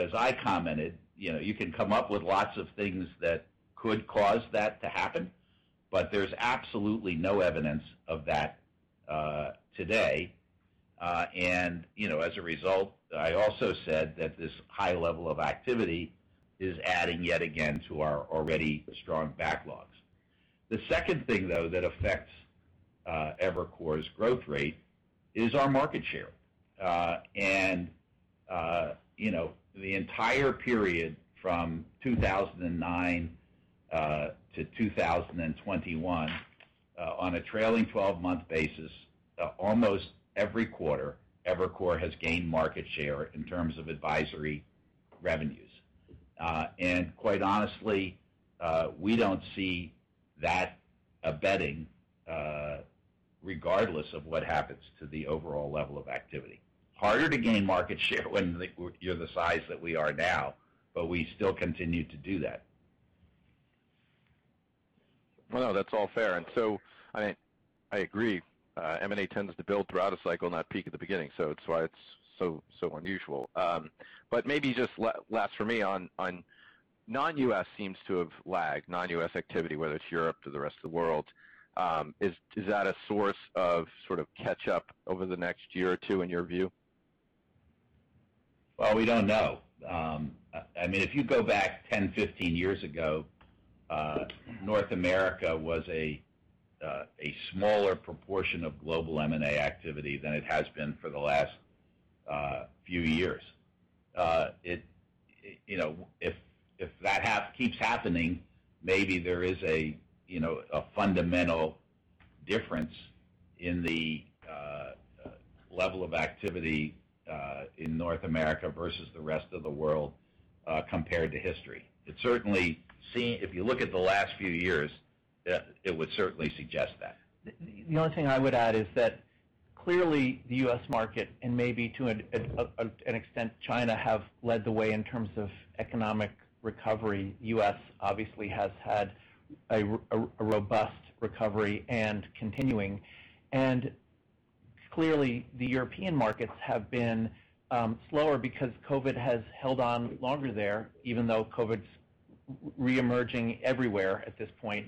As I commented, you can come up with lots of things that could cause that to happen, but there's absolutely no evidence of that today. As a result, I also said that this high level of activity is adding yet again to our already strong backlogs. The second thing, though, that affects Evercore's growth rate is our market share. The entire period from 2009 to 2021, on a trailing 12-month basis, almost every quarter, Evercore has gained market share in terms of advisory revenues. Quite honestly, we don't see that abating regardless of what happens to the overall level of activity. Harder to gain market share when you're the size that we are now, but we still continue to do that. Well, no, that's all fair. I agree. M&A tends to build throughout a cycle, not peak at the beginning. That's why it's so unusual. Maybe just last for me on non-U.S. seems to have lagged, non-U.S. activity, whether it's Europe or the rest of the world. Is that a source of sort of catch up over the next year or two in your view? Well, we don't know. If you go back 10, 15 years ago, North America was a smaller proportion of global M&A activity than it has been for the last few years. If that keeps happening, maybe there is a fundamental difference in the level of activity in North America versus the rest of the world compared to history. If you look at the last few years, it would certainly suggest that. The only thing I would add is that clearly the U.S. market, and maybe to an extent China, have led the way in terms of economic recovery. U.S. obviously has had a robust recovery and continuing. Clearly, the European markets have been slower because COVID has held on longer there, even though COVID's re-emerging everywhere at this point.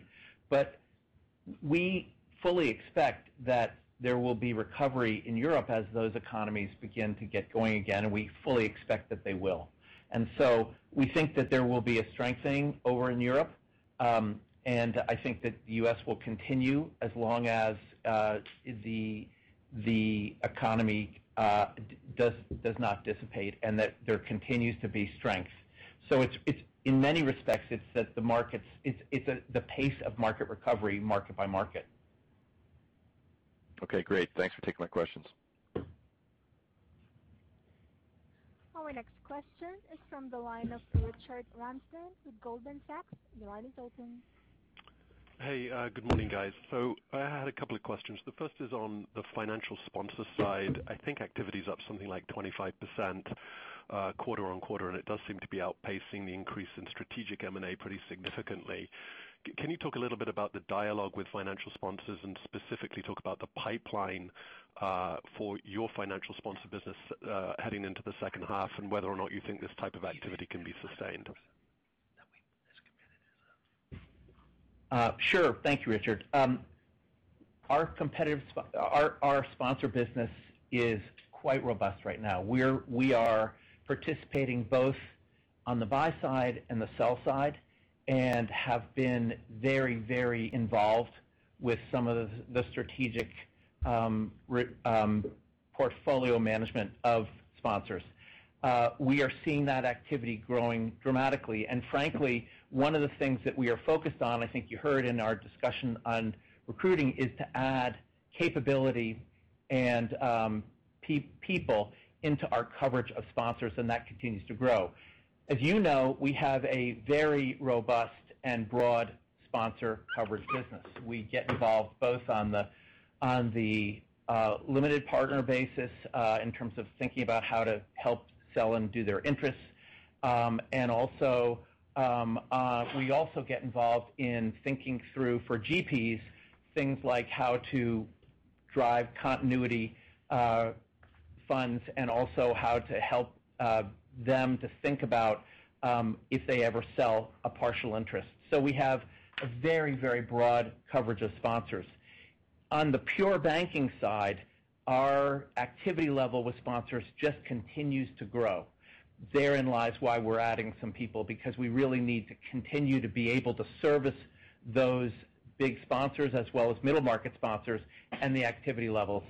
We fully expect that there will be recovery in Europe as those economies begin to get going again, and we fully expect that they will. We think that there will be a strengthening over in Europe, and I think that the U.S. will continue as long as the economy does not dissipate and that there continues to be strength. In many respects, it's the pace of market recovery, market by market. Okay, great. Thanks for taking my questions. Our next question is from the line of Richard Ramsden with Goldman Sachs. Your line is open. Hey, good morning, guys. I had a couple of questions. The first is on the financial sponsor side. I think activity's up something like 25% quarter-on-quarter, and it does seem to be outpacing the increase in strategic M&A pretty significantly. Can you talk a little bit about the dialogue with financial sponsors and specifically talk about the pipeline for your financial sponsor business heading into the H2 and whether or not you think this type of activity can be sustained? Sure. Thank you, Richard. Our sponsor business is quite robust right now. We are participating both on the buy side and the sell side and have been very involved with some of the strategic portfolio management of sponsors. We are seeing that activity growing dramatically. Frankly, one of the things that we are focused on, I think you heard in our discussion on recruiting, is to add capability and people into our coverage of sponsors, and that continues to grow. As you know, we have a very robust and broad sponsor coverage business. We get involved both on the limited partner basis in terms of thinking about how to help sell down their interests. Also, we also get involved in thinking through, for GPs, things like how to drive continuity funds, and also how to help them to think about if they ever sell a partial interest. We have a very broad coverage of sponsors. On the pure banking side, our activity level with sponsors just continues to grow. Therein lies why we're adding some people, because we really need to continue to be able to service those big sponsors as well as middle market sponsors and the activity levels.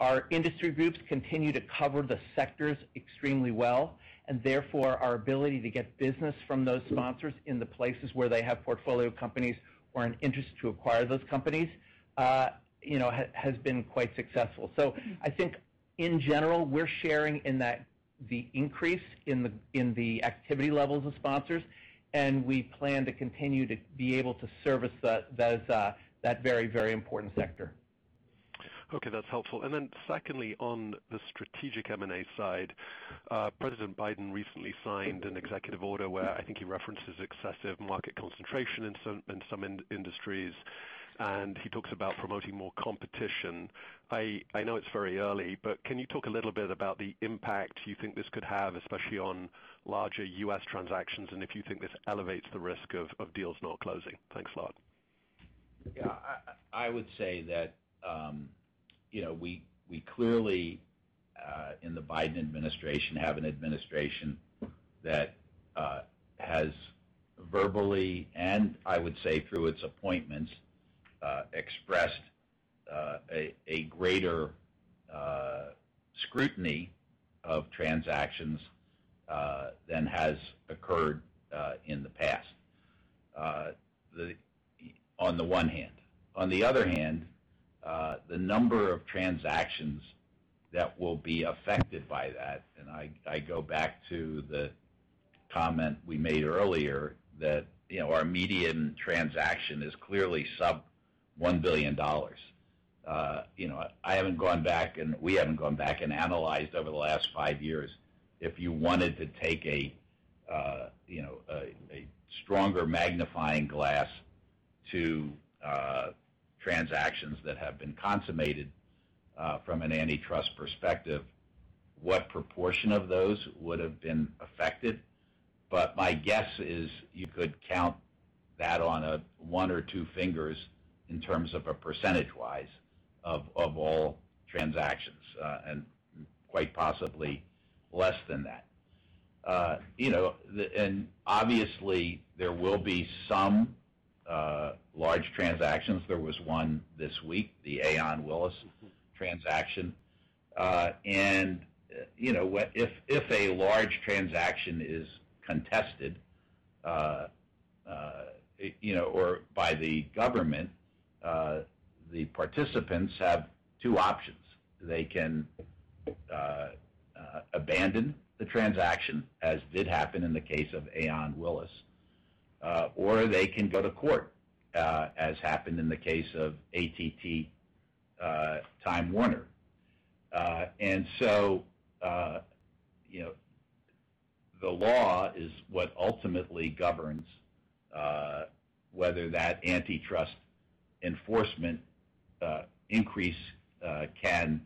Our industry groups continue to cover the sectors extremely well, and therefore, our ability to get business from those sponsors in the places where they have portfolio companies or an interest to acquire those companies has been quite successful. I think in general, we're sharing in the increase in the activity levels of sponsors, and we plan to continue to be able to service that very important sector. Okay, that's helpful. Secondly, on the strategic M&A side, President Biden recently signed an executive order where I think he references excessive market concentration in some industries, and he talks about promoting more competition. I know it's very early, but can you talk a little bit about the impact you think this could have, especially on larger U.S. transactions, and if you think this elevates the risk of deals not closing? Thanks a lot. Yeah. I would say that we clearly, in the Biden administration, have an administration that has verbally, and I would say through its appointments, expressed a greater scrutiny of transactions than has occurred in the past. On the one hand. On the other hand, the number of transactions that will be affected by that, and I go back to the comment we made earlier that our median transaction is clearly sub $1 billion. I haven't gone back and we haven't gone back and analyzed over the last five years, if you wanted to take a stronger magnifying glass to transactions that have been consummated from an antitrust perspective, what proportion of those would've been affected. My guess is you could count that on one or two fingers in terms of a percentage-wise of all transactions, and quite possibly less than that. Obviously there will be some large transactions. There was one this week, the Aon-Willis transaction. If a large transaction is contested by the government, the participants have two options. They can abandon the transaction, as did happen in the case of Aon-Willis, or they can go to court, as happened in the case of AT&T-Time Warner. The law is what ultimately governs whether that antitrust enforcement increase can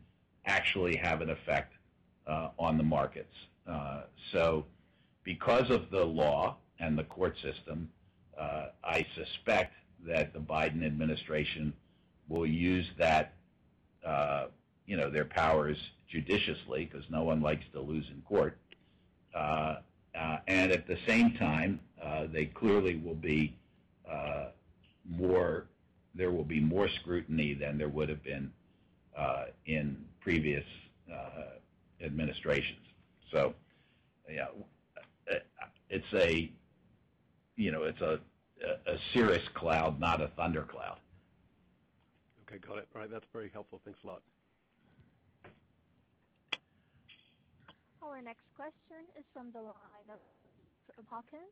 actually have an effect on the markets. Because of the law and the court system, I suspect that the Biden administration will use their powers judiciously because no one likes to lose in court. At the same time, there will be more scrutiny than there would've been in previous administrations. Yeah. It's a serious cloud, not a thundercloud. Okay. Got it. All right. That's very helpful. Thanks a lot. Our next question is from the line of Brennan Hawken,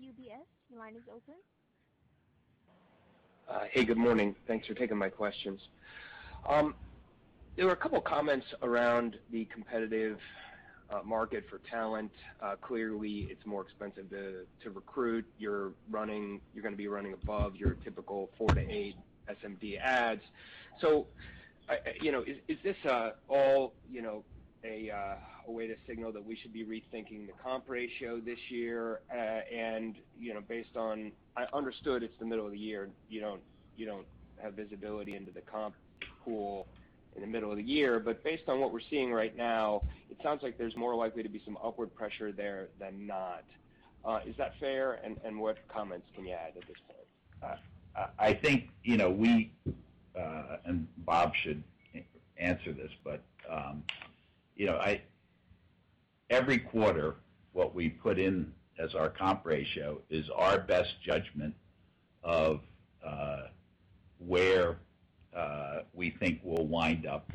UBS. Your line is open. Hey, good morning. Thanks for taking my questions. There were a couple of comments around the competitive market for talent. Clearly it's more expensive to recruit. You're going to be running above your typical four to eight SMD adds. Is this all a way to signal that we should be rethinking the comp ratio this year? I understood it's the middle of the year, you don't have visibility into the comp pool in the middle of the year, but based on what we're seeing right now, it sounds like there's more likely to be some upward pressure there than not. Is that fair? What comments can you add at this point? I think we, and Bob should answer this, but every quarter, what we put in as our comp ratio is our best judgment of where we think we'll wind up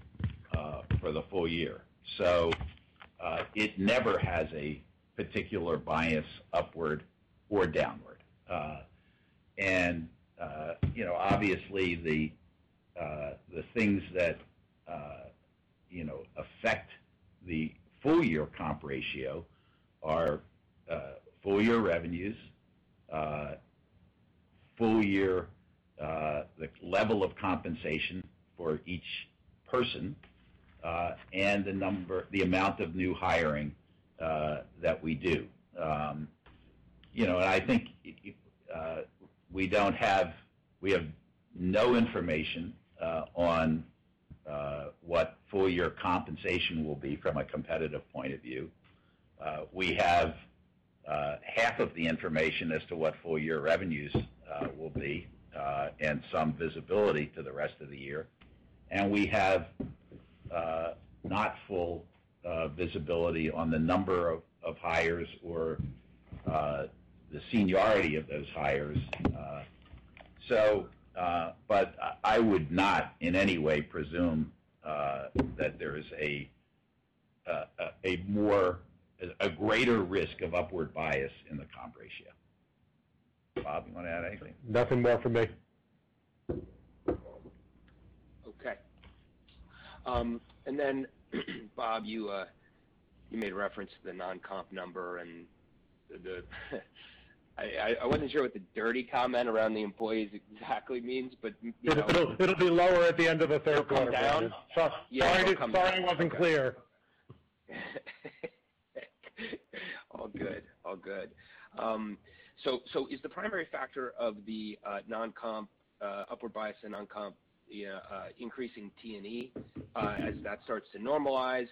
for the full year. It never has a particular bias upward or downward. Obviously the things that affect the full year comp ratio are full year revenues, full year level of compensation for each person, and the amount of new hiring that we do. I think we have no information on what full year compensation will be from a competitive point of view. We have half of the information as to what full year revenues will be, and some visibility to the rest of the year. We have not full visibility on the number of hires or the seniority of those hires. I would not in any way presume that there is a greater risk of upward bias in the comp ratio. Bob, you want to add anything? Nothing more from me. Okay. Bob, you made reference to the non-comp number and I wasn't sure what the dirty comment around the employees exactly means. It'll be lower at the end of Q3. It'll come down? Sorry I wasn't clear. All good. Is the primary factor of the non-comp upward bias and non-comp increasing T&E? As that starts to normalize,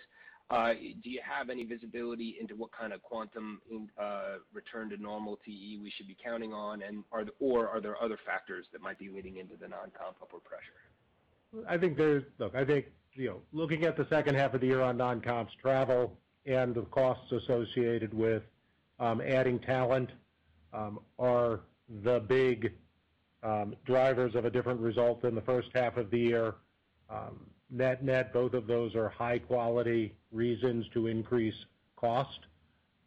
do you have any visibility into what kind of quantum return to normal T&E we should be counting on, or are there other factors that might be leading into the non-comp upward pressure? I think, looking at the H2 of the year on non-comp travel and the costs associated with adding talent are the big drivers of a different result than the H1 of the year. Net, both of those are high-quality reasons to increase cost.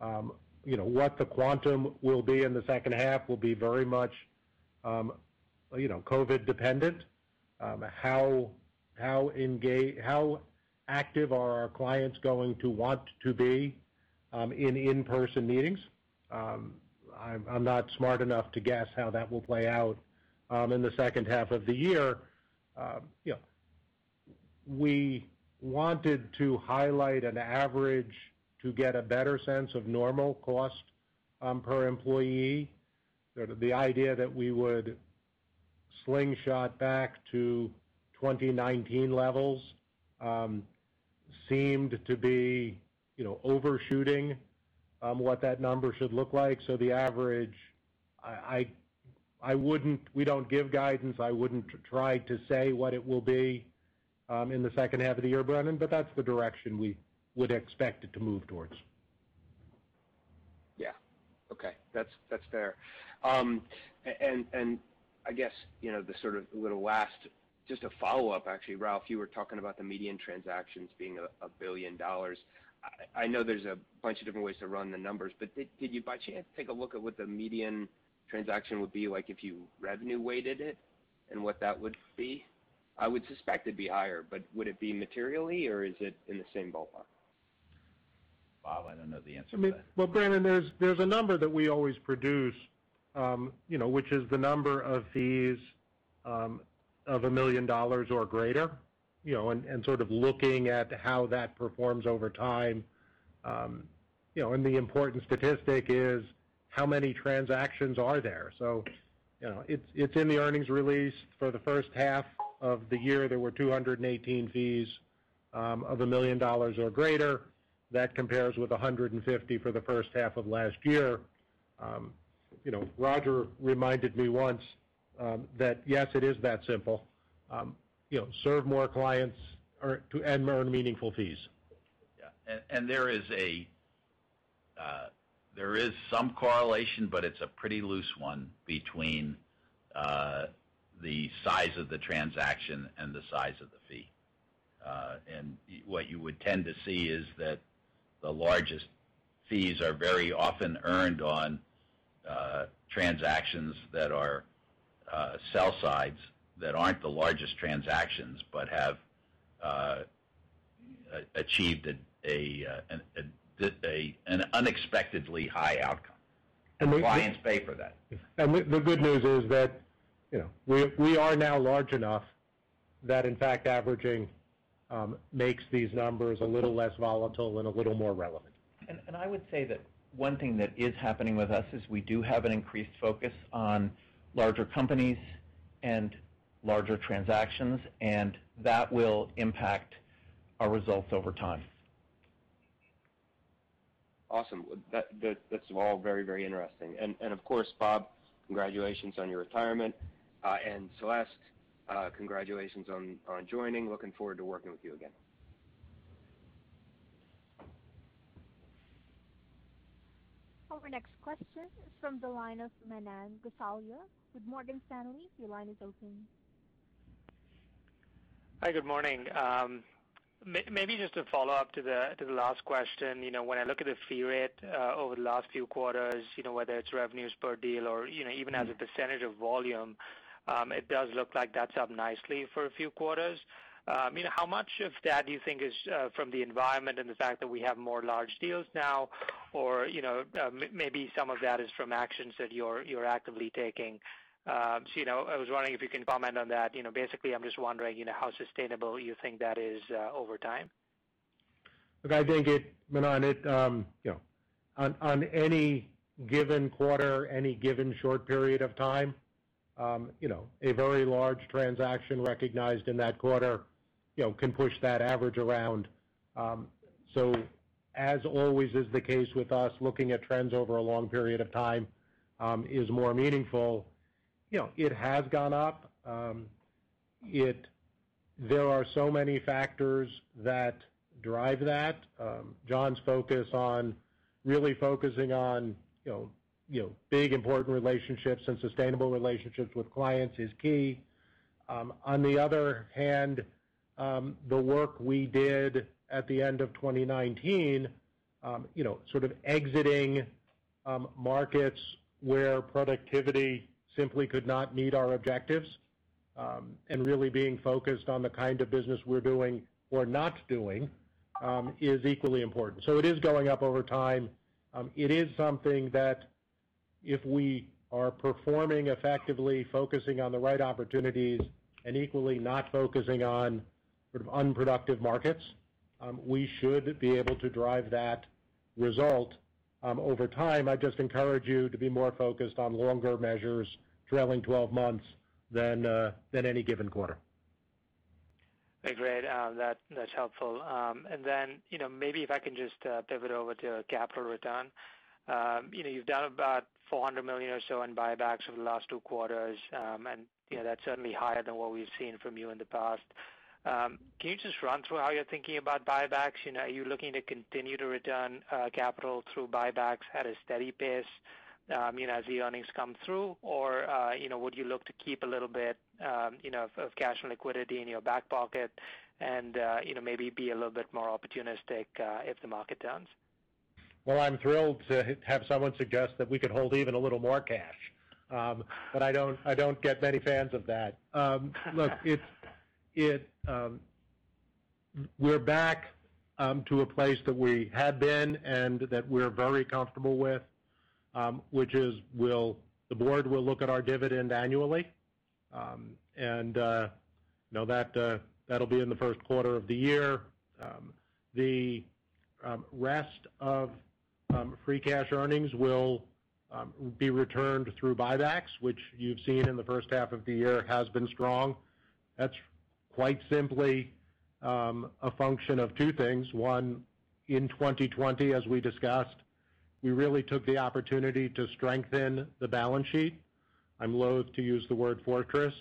What the quantum will be in the H2 will be very much COVID-dependent. How active are our clients going to want to be in in-person meetings? I'm not smart enough to guess how that will play out in the H2 of the year. We wanted to highlight an average to get a better sense of normal cost per employee. The idea that we would slingshot back to 2019 levels seemed to be overshooting what that number should look like. The average, we don't give guidance. I wouldn't try to say what it will be in the H2 of the year, Brennan, but that's the direction we would expect it to move towards. Yeah. Okay. That's fair. I guess, the sort of little last, just a follow-up, actually, Ralph, you were talking about the median transactions being $1 billion. I know there's a bunch of different ways to run the numbers, did you by chance take a look at what the median transaction would be like if you revenue weighted it and what that would be? I would suspect it'd be higher, would it be materially, or is it in the same ballpark? Bob, I don't know the answer to that. Well, Brennan, there's a number that we always produce, which is the number of fees of $1 million or greater, sort of looking at how that performs over time. The important statistic is how many transactions are there. It's in the earnings release for the H1 of the year, there were 218 fees of $1 million or greater. That compares with 150 for the H1 of last year. Roger reminded me once that, yes, it is that simple. Serve more clients to earn meaningful fees. Yeah. There is some correlation, but it's a pretty loose one between the size of the transaction and the size of the fee. What you would tend to see is that the largest fees are very often earned on transactions that are sell sides, that aren't the largest transactions but have achieved an unexpectedly high outcome. And we- Clients pay for that. The good news is that we are now large enough that, in fact, averaging makes these numbers a little less volatile and a little more relevant. I would say that one thing that is happening with us is we do have an increased focus on larger companies and larger transactions, and that will impact our results over time. Awesome. That's all very interesting. Of course, Bob, congratulations on your retirement. Celeste, congratulations on joining. Looking forward to working with you again. Our next question is from the line of Manan Gosalia with Morgan Stanley. Your line is open. Hi, good morning. Maybe just a follow-up to the last question. When I look at the fee rate over the last few quarters, whether it's revenues per deal or even as a percentage of volume, it does look like that's up nicely for a few quarters. How much of that do you think is from the environment and the fact that we have more large deals now or maybe some of that is from actions that you're actively taking? I was wondering if you can comment on that. Basically, I'm just wondering how sustainable you think that is over time. Look, I think, Manan, on any given quarter, any given short period of time, a very large transaction recognized in that quarter can push that average around. As always is the case with us, looking at trends over a long period of time is more meaningful. It has gone up. There are so many factors that drive that. John's focus on really focusing on big, important relationships and sustainable relationships with clients is key. On the other hand, the work we did at the end of 2019, sort of exiting markets where productivity simply could not meet our objectives, and really being focused on the kind of business we're doing or not doing is equally important. It is going up over time. It is something that if we are performing effectively, focusing on the right opportunities, and equally not focusing on sort of unproductive markets, we should be able to drive that result over time. I'd just encourage you to be more focused on longer measures, trailing 12 months, than any given quarter. Great. That's helpful. Maybe if I can just pivot over to capital return. You've done about $400 million or so in buybacks over the last two quarters. That's certainly higher than what we've seen from you in the past. Can you just run through how you're thinking about buybacks? Are you looking to continue to return capital through buybacks at a steady pace as the earnings come through? Would you look to keep a little bit of cash and liquidity in your back pocket and maybe be a little bit more opportunistic if the market turns? I'm thrilled to have someone suggest that we could hold even a little more cash. I don't get many fans of that. We're back to a place that we had been and that we're very comfortable with, which is the board will look at our dividend annually. That'll be in the Q1 of the year. The rest of free cash earnings will be returned through buybacks, which you've seen in the H1 of the year has been strong. That's quite simply a function of two things. One, in 2020, as we discussed, we really took the opportunity to strengthen the balance sheet. I'm loathe to use the word fortress.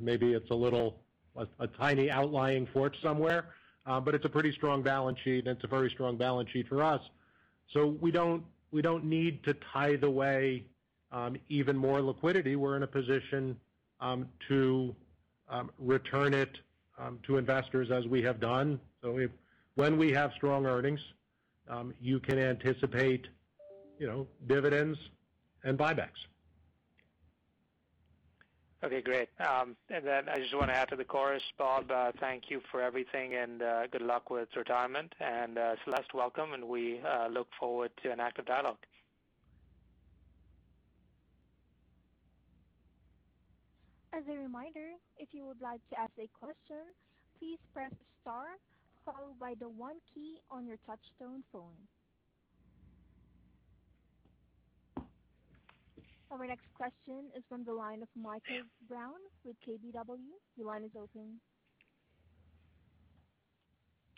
Maybe it's a tiny outlying fort somewhere. It's a pretty strong balance sheet, and it's a very strong balance sheet for us. We don't need to tie away even more liquidity. We're in a position to return it to investors as we have done. When we have strong earnings, you can anticipate dividends and buybacks. Okay, great. I just want to add to the chorus, Bob, thank you for everything and good luck with retirement. Celeste, welcome, and we look forward to an active dialogue. As a reminder, if you would like to ask a question, please press star followed by the one key on your touch-tone phone. Our next question is from the line of Michael Brown with KBW. Your line is open.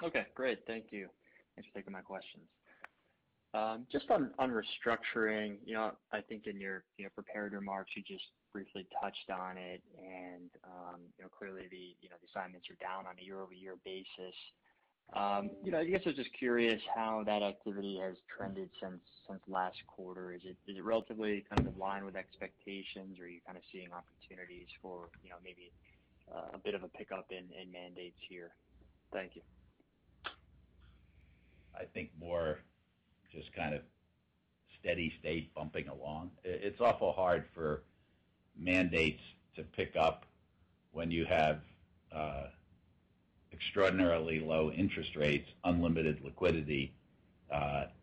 Okay, great. Thank you. Thanks for taking my questions. Just on restructuring, I think in your prepared remarks, you just briefly touched on it. Clearly the assignments are down on a year-over-year basis. I guess I was just curious how that activity has trended since last quarter. Is it relatively kind of in line with expectations? Are you kind of seeing opportunities for maybe a bit of a pickup in mandates here? Thank you. I think more just kind of steady state bumping along. It's awful hard for mandates to pick up when you have extraordinarily low interest rates, unlimited liquidity,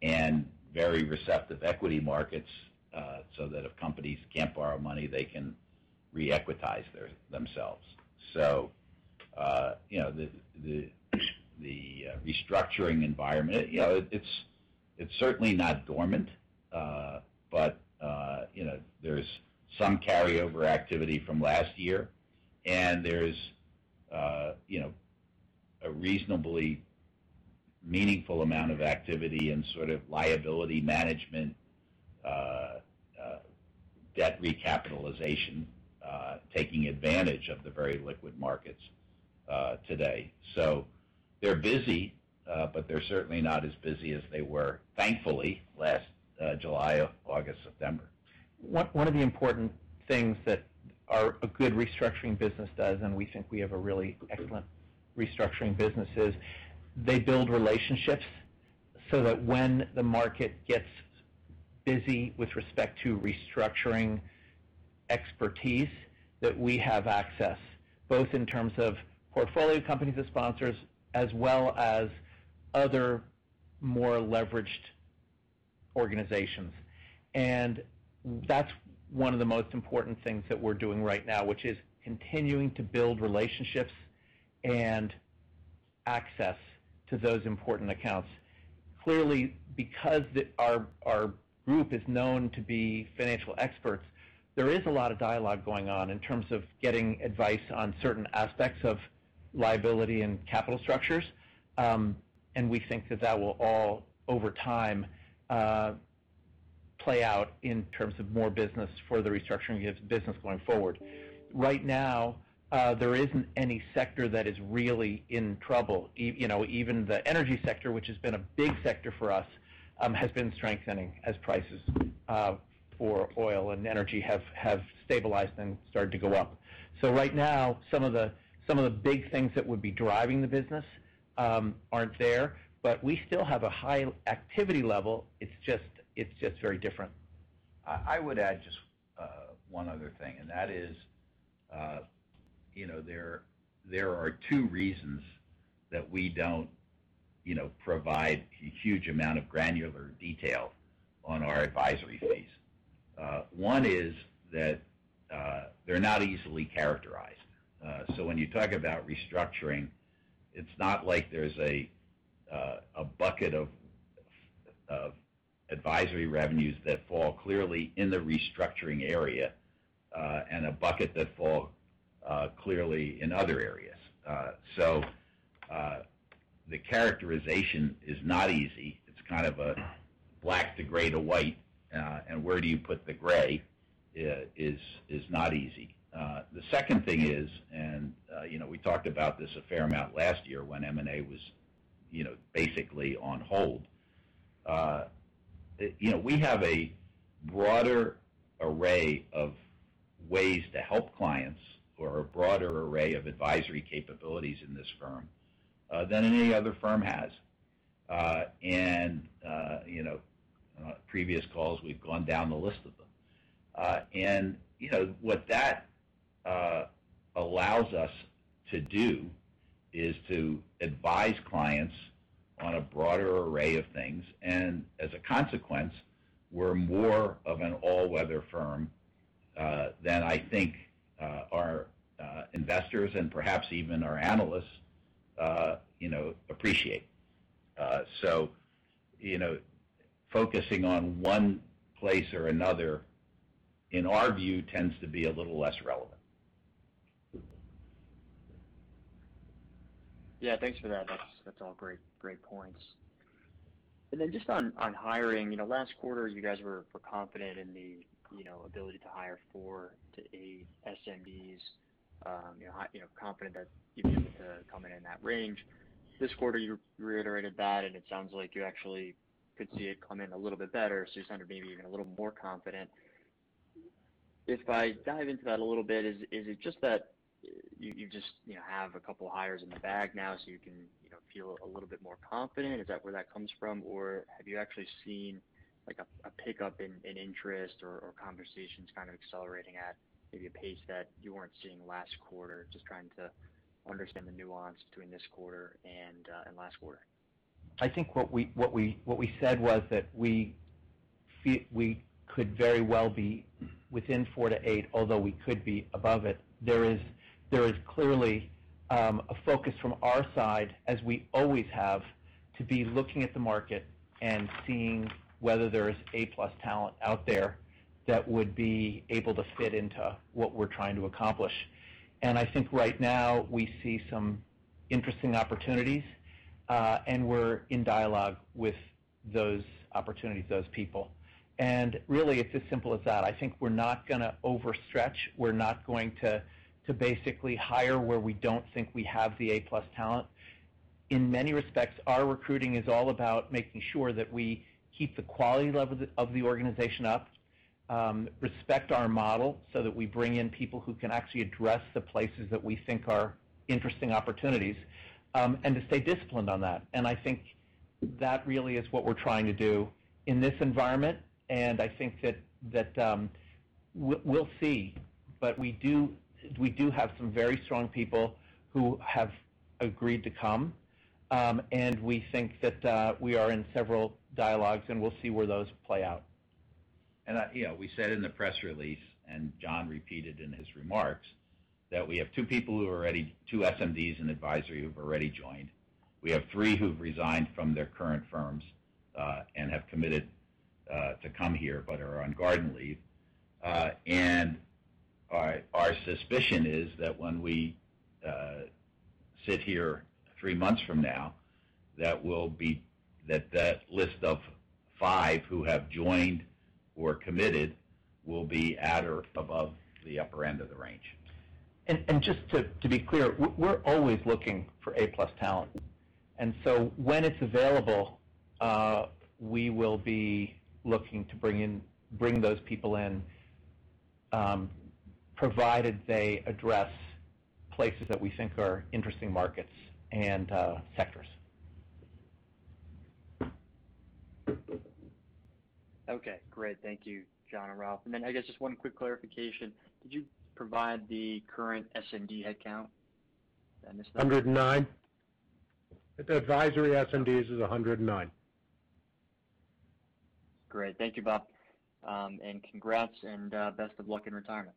and very receptive equity markets so that if companies can't borrow money, they can reequitize themselves. The restructuring environment, it's certainly not dormant. There's some carryover activity from last year. There's a reasonably meaningful amount of activity and sort of liability management debt recapitalization taking advantage of the very liquid markets today. They're busy. They're certainly not as busy as they were, thankfully, last July, August, September. One of the important things that a good restructuring business does, and we think we have a really excellent restructuring business, is they build relationships so that when the market gets busy with respect to restructuring expertise, that we have access, both in terms of portfolio companies as sponsors, as well as other more leveraged organizations. That's one of the most important things that we're doing right now, which is continuing to build relationships and access to those important accounts. Clearly, because our group is known to be financial experts, there is a lot of dialogue going on in terms of getting advice on certain aspects of liability and capital structures. We think that that will all, over time, play out in terms of more business for the restructuring business going forward. Right now, there isn't any sector that is really in trouble. Even the energy sector, which has been a big sector for us, has been strengthening as prices for oil and energy have stabilized and started to go up. Right now, some of the big things that would be driving the business aren't there. We still have a high activity level. It's just very different. I would add just one other thing, and that is there are two reasons that we don't provide a huge amount of granular detail on our advisory fees. One is that they're not easily characterized. When you talk about restructuring, it's not like there's a bucket of advisory revenues that fall clearly in the restructuring area, and a bucket that fall clearly in other areas. The characterization is not easy. It's kind of a black to gray to white, and where do you put the gray is not easy. The second thing is, we talked about this a fair amount last year when M&A was basically on hold. We have a broader array of ways to help clients or a broader array of advisory capabilities in this firm than any other firm has. On previous calls, we've gone down the list of them. What that allows us to do is to advise clients on a broader array of things, and as a consequence, we're more of an all-weather firm than I think our investors and perhaps even our analysts appreciate. Focusing on one place or another, in our view, tends to be a little less relevant. Thanks for that. That's all great points. Just on hiring, last quarter you guys were confident in the ability to hire four SMDs-eight SMDs, confident that you'd be able to come in that range. This quarter you reiterated that, and it sounds like you actually could see it come in a little bit better, you sound maybe even a little more confident. If I dive into that a little bit, is it just that you just have a couple hires in the bag now so you can feel a little bit more confident? Is that where that comes from? Have you actually seen a pickup in interest or conversations kind of accelerating at maybe a pace that you weren't seeing last quarter? Just trying to understand the nuance between this quarter and last quarter. I think what we said was that we could very well be within four to eight, although we could be above it. There is clearly a focus from our side, as we always have, to be looking at the market and seeing whether there is A+ talent out there that would be able to fit into what we're trying to accomplish. I think right now we see some interesting opportunities, and we're in dialogue with those opportunities, those people. Really it's as simple as that. I think we're not going to overstretch. We're not going to basically hire where we don't think we have the A+ talent. In many respects, our recruiting is all about making sure that we keep the quality level of the organization up, respect our model so that we bring in people who can actually address the places that we think are interesting opportunities, and to stay disciplined on that. I think that really is what we're trying to do in this environment, and I think that we'll see, but we do have some very strong people who have agreed to come. We think that we are in several dialogues, and we'll see where those play out. We said in the press release, John repeated in his remarks, that we have two people who are already two SMDs in advisory who've already joined. We have three who've resigned from their current firms and have committed to come here but are on garden leave. Our suspicion is that when we sit here three months from now, that that list of five who have joined or committed will be at or above the upper end of the range. Just to be clear, we're always looking for A+ talent. When it's available, we will be looking to bring those people in, provided they address places that we think are interesting markets and sectors. Okay. Great. Thank you, John and Ralph. I guess just one quick clarification. Did you provide the current SMD headcount? Did I miss that? 109. The advisory SMDs is 109. Great. Thank you, Bob. Congrats and best of luck in retirement.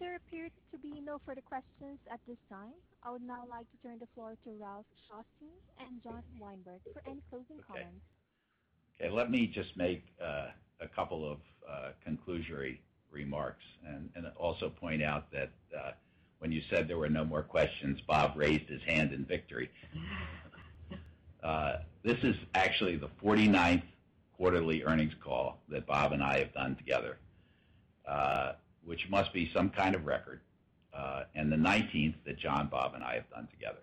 There appears to be no further questions at this time. I would now like to turn the floor to Ralph Schlosstein and John Weinberg for any closing comments. Okay. Let me just make a couple of conclusory remarks and also point out that when you said there were no more questions, Bob raised his hand in victory. This is actually the 49th quarterly earnings call that Bob and I have done together, which must be some kind of record, and the 19th that John, Bob and I have done together.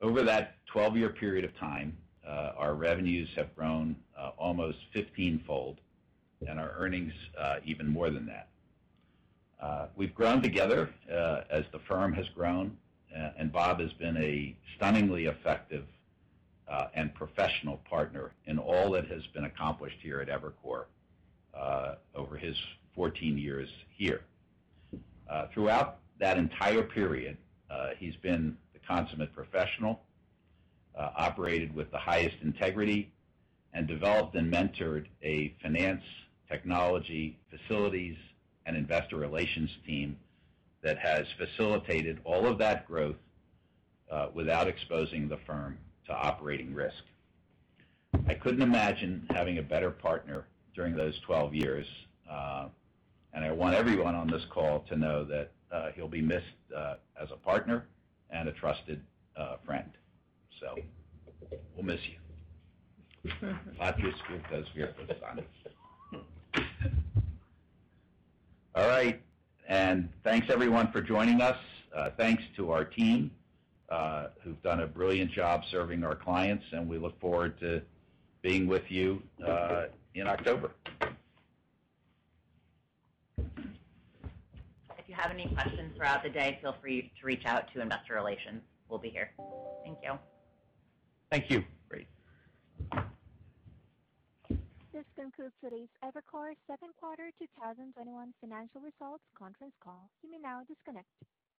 Over that 12-year period of time, our revenues have grown almost 15-fold and our earnings even more than that. We've grown together as the firm has grown, and Bob has been a stunningly effective and professional partner in all that has been accomplished here at Evercore over his 14 years here. Throughout that entire period, he's been the consummate professional, operated with the highest integrity, and developed and mentored a finance, technology, facilities, and investor relations team that has facilitated all of that growth without exposing the firm to operating risk. I couldn't imagine having a better partner during those 12 years. I want everyone on this call to know that he'll be missed as a partner and a trusted friend. We'll miss you. Obviously, because we are co-founders. All right. Thanks everyone for joining us. Thanks to our team, who've done a brilliant job serving our clients, and we look forward to being with you in October. If you have any questions throughout the day, feel free to reach out to investor relations. We'll be here. Thank you. Thank you. Great. This concludes today's Evercore's Q2 2021 Financial Results Conference Call. You may now disconnect.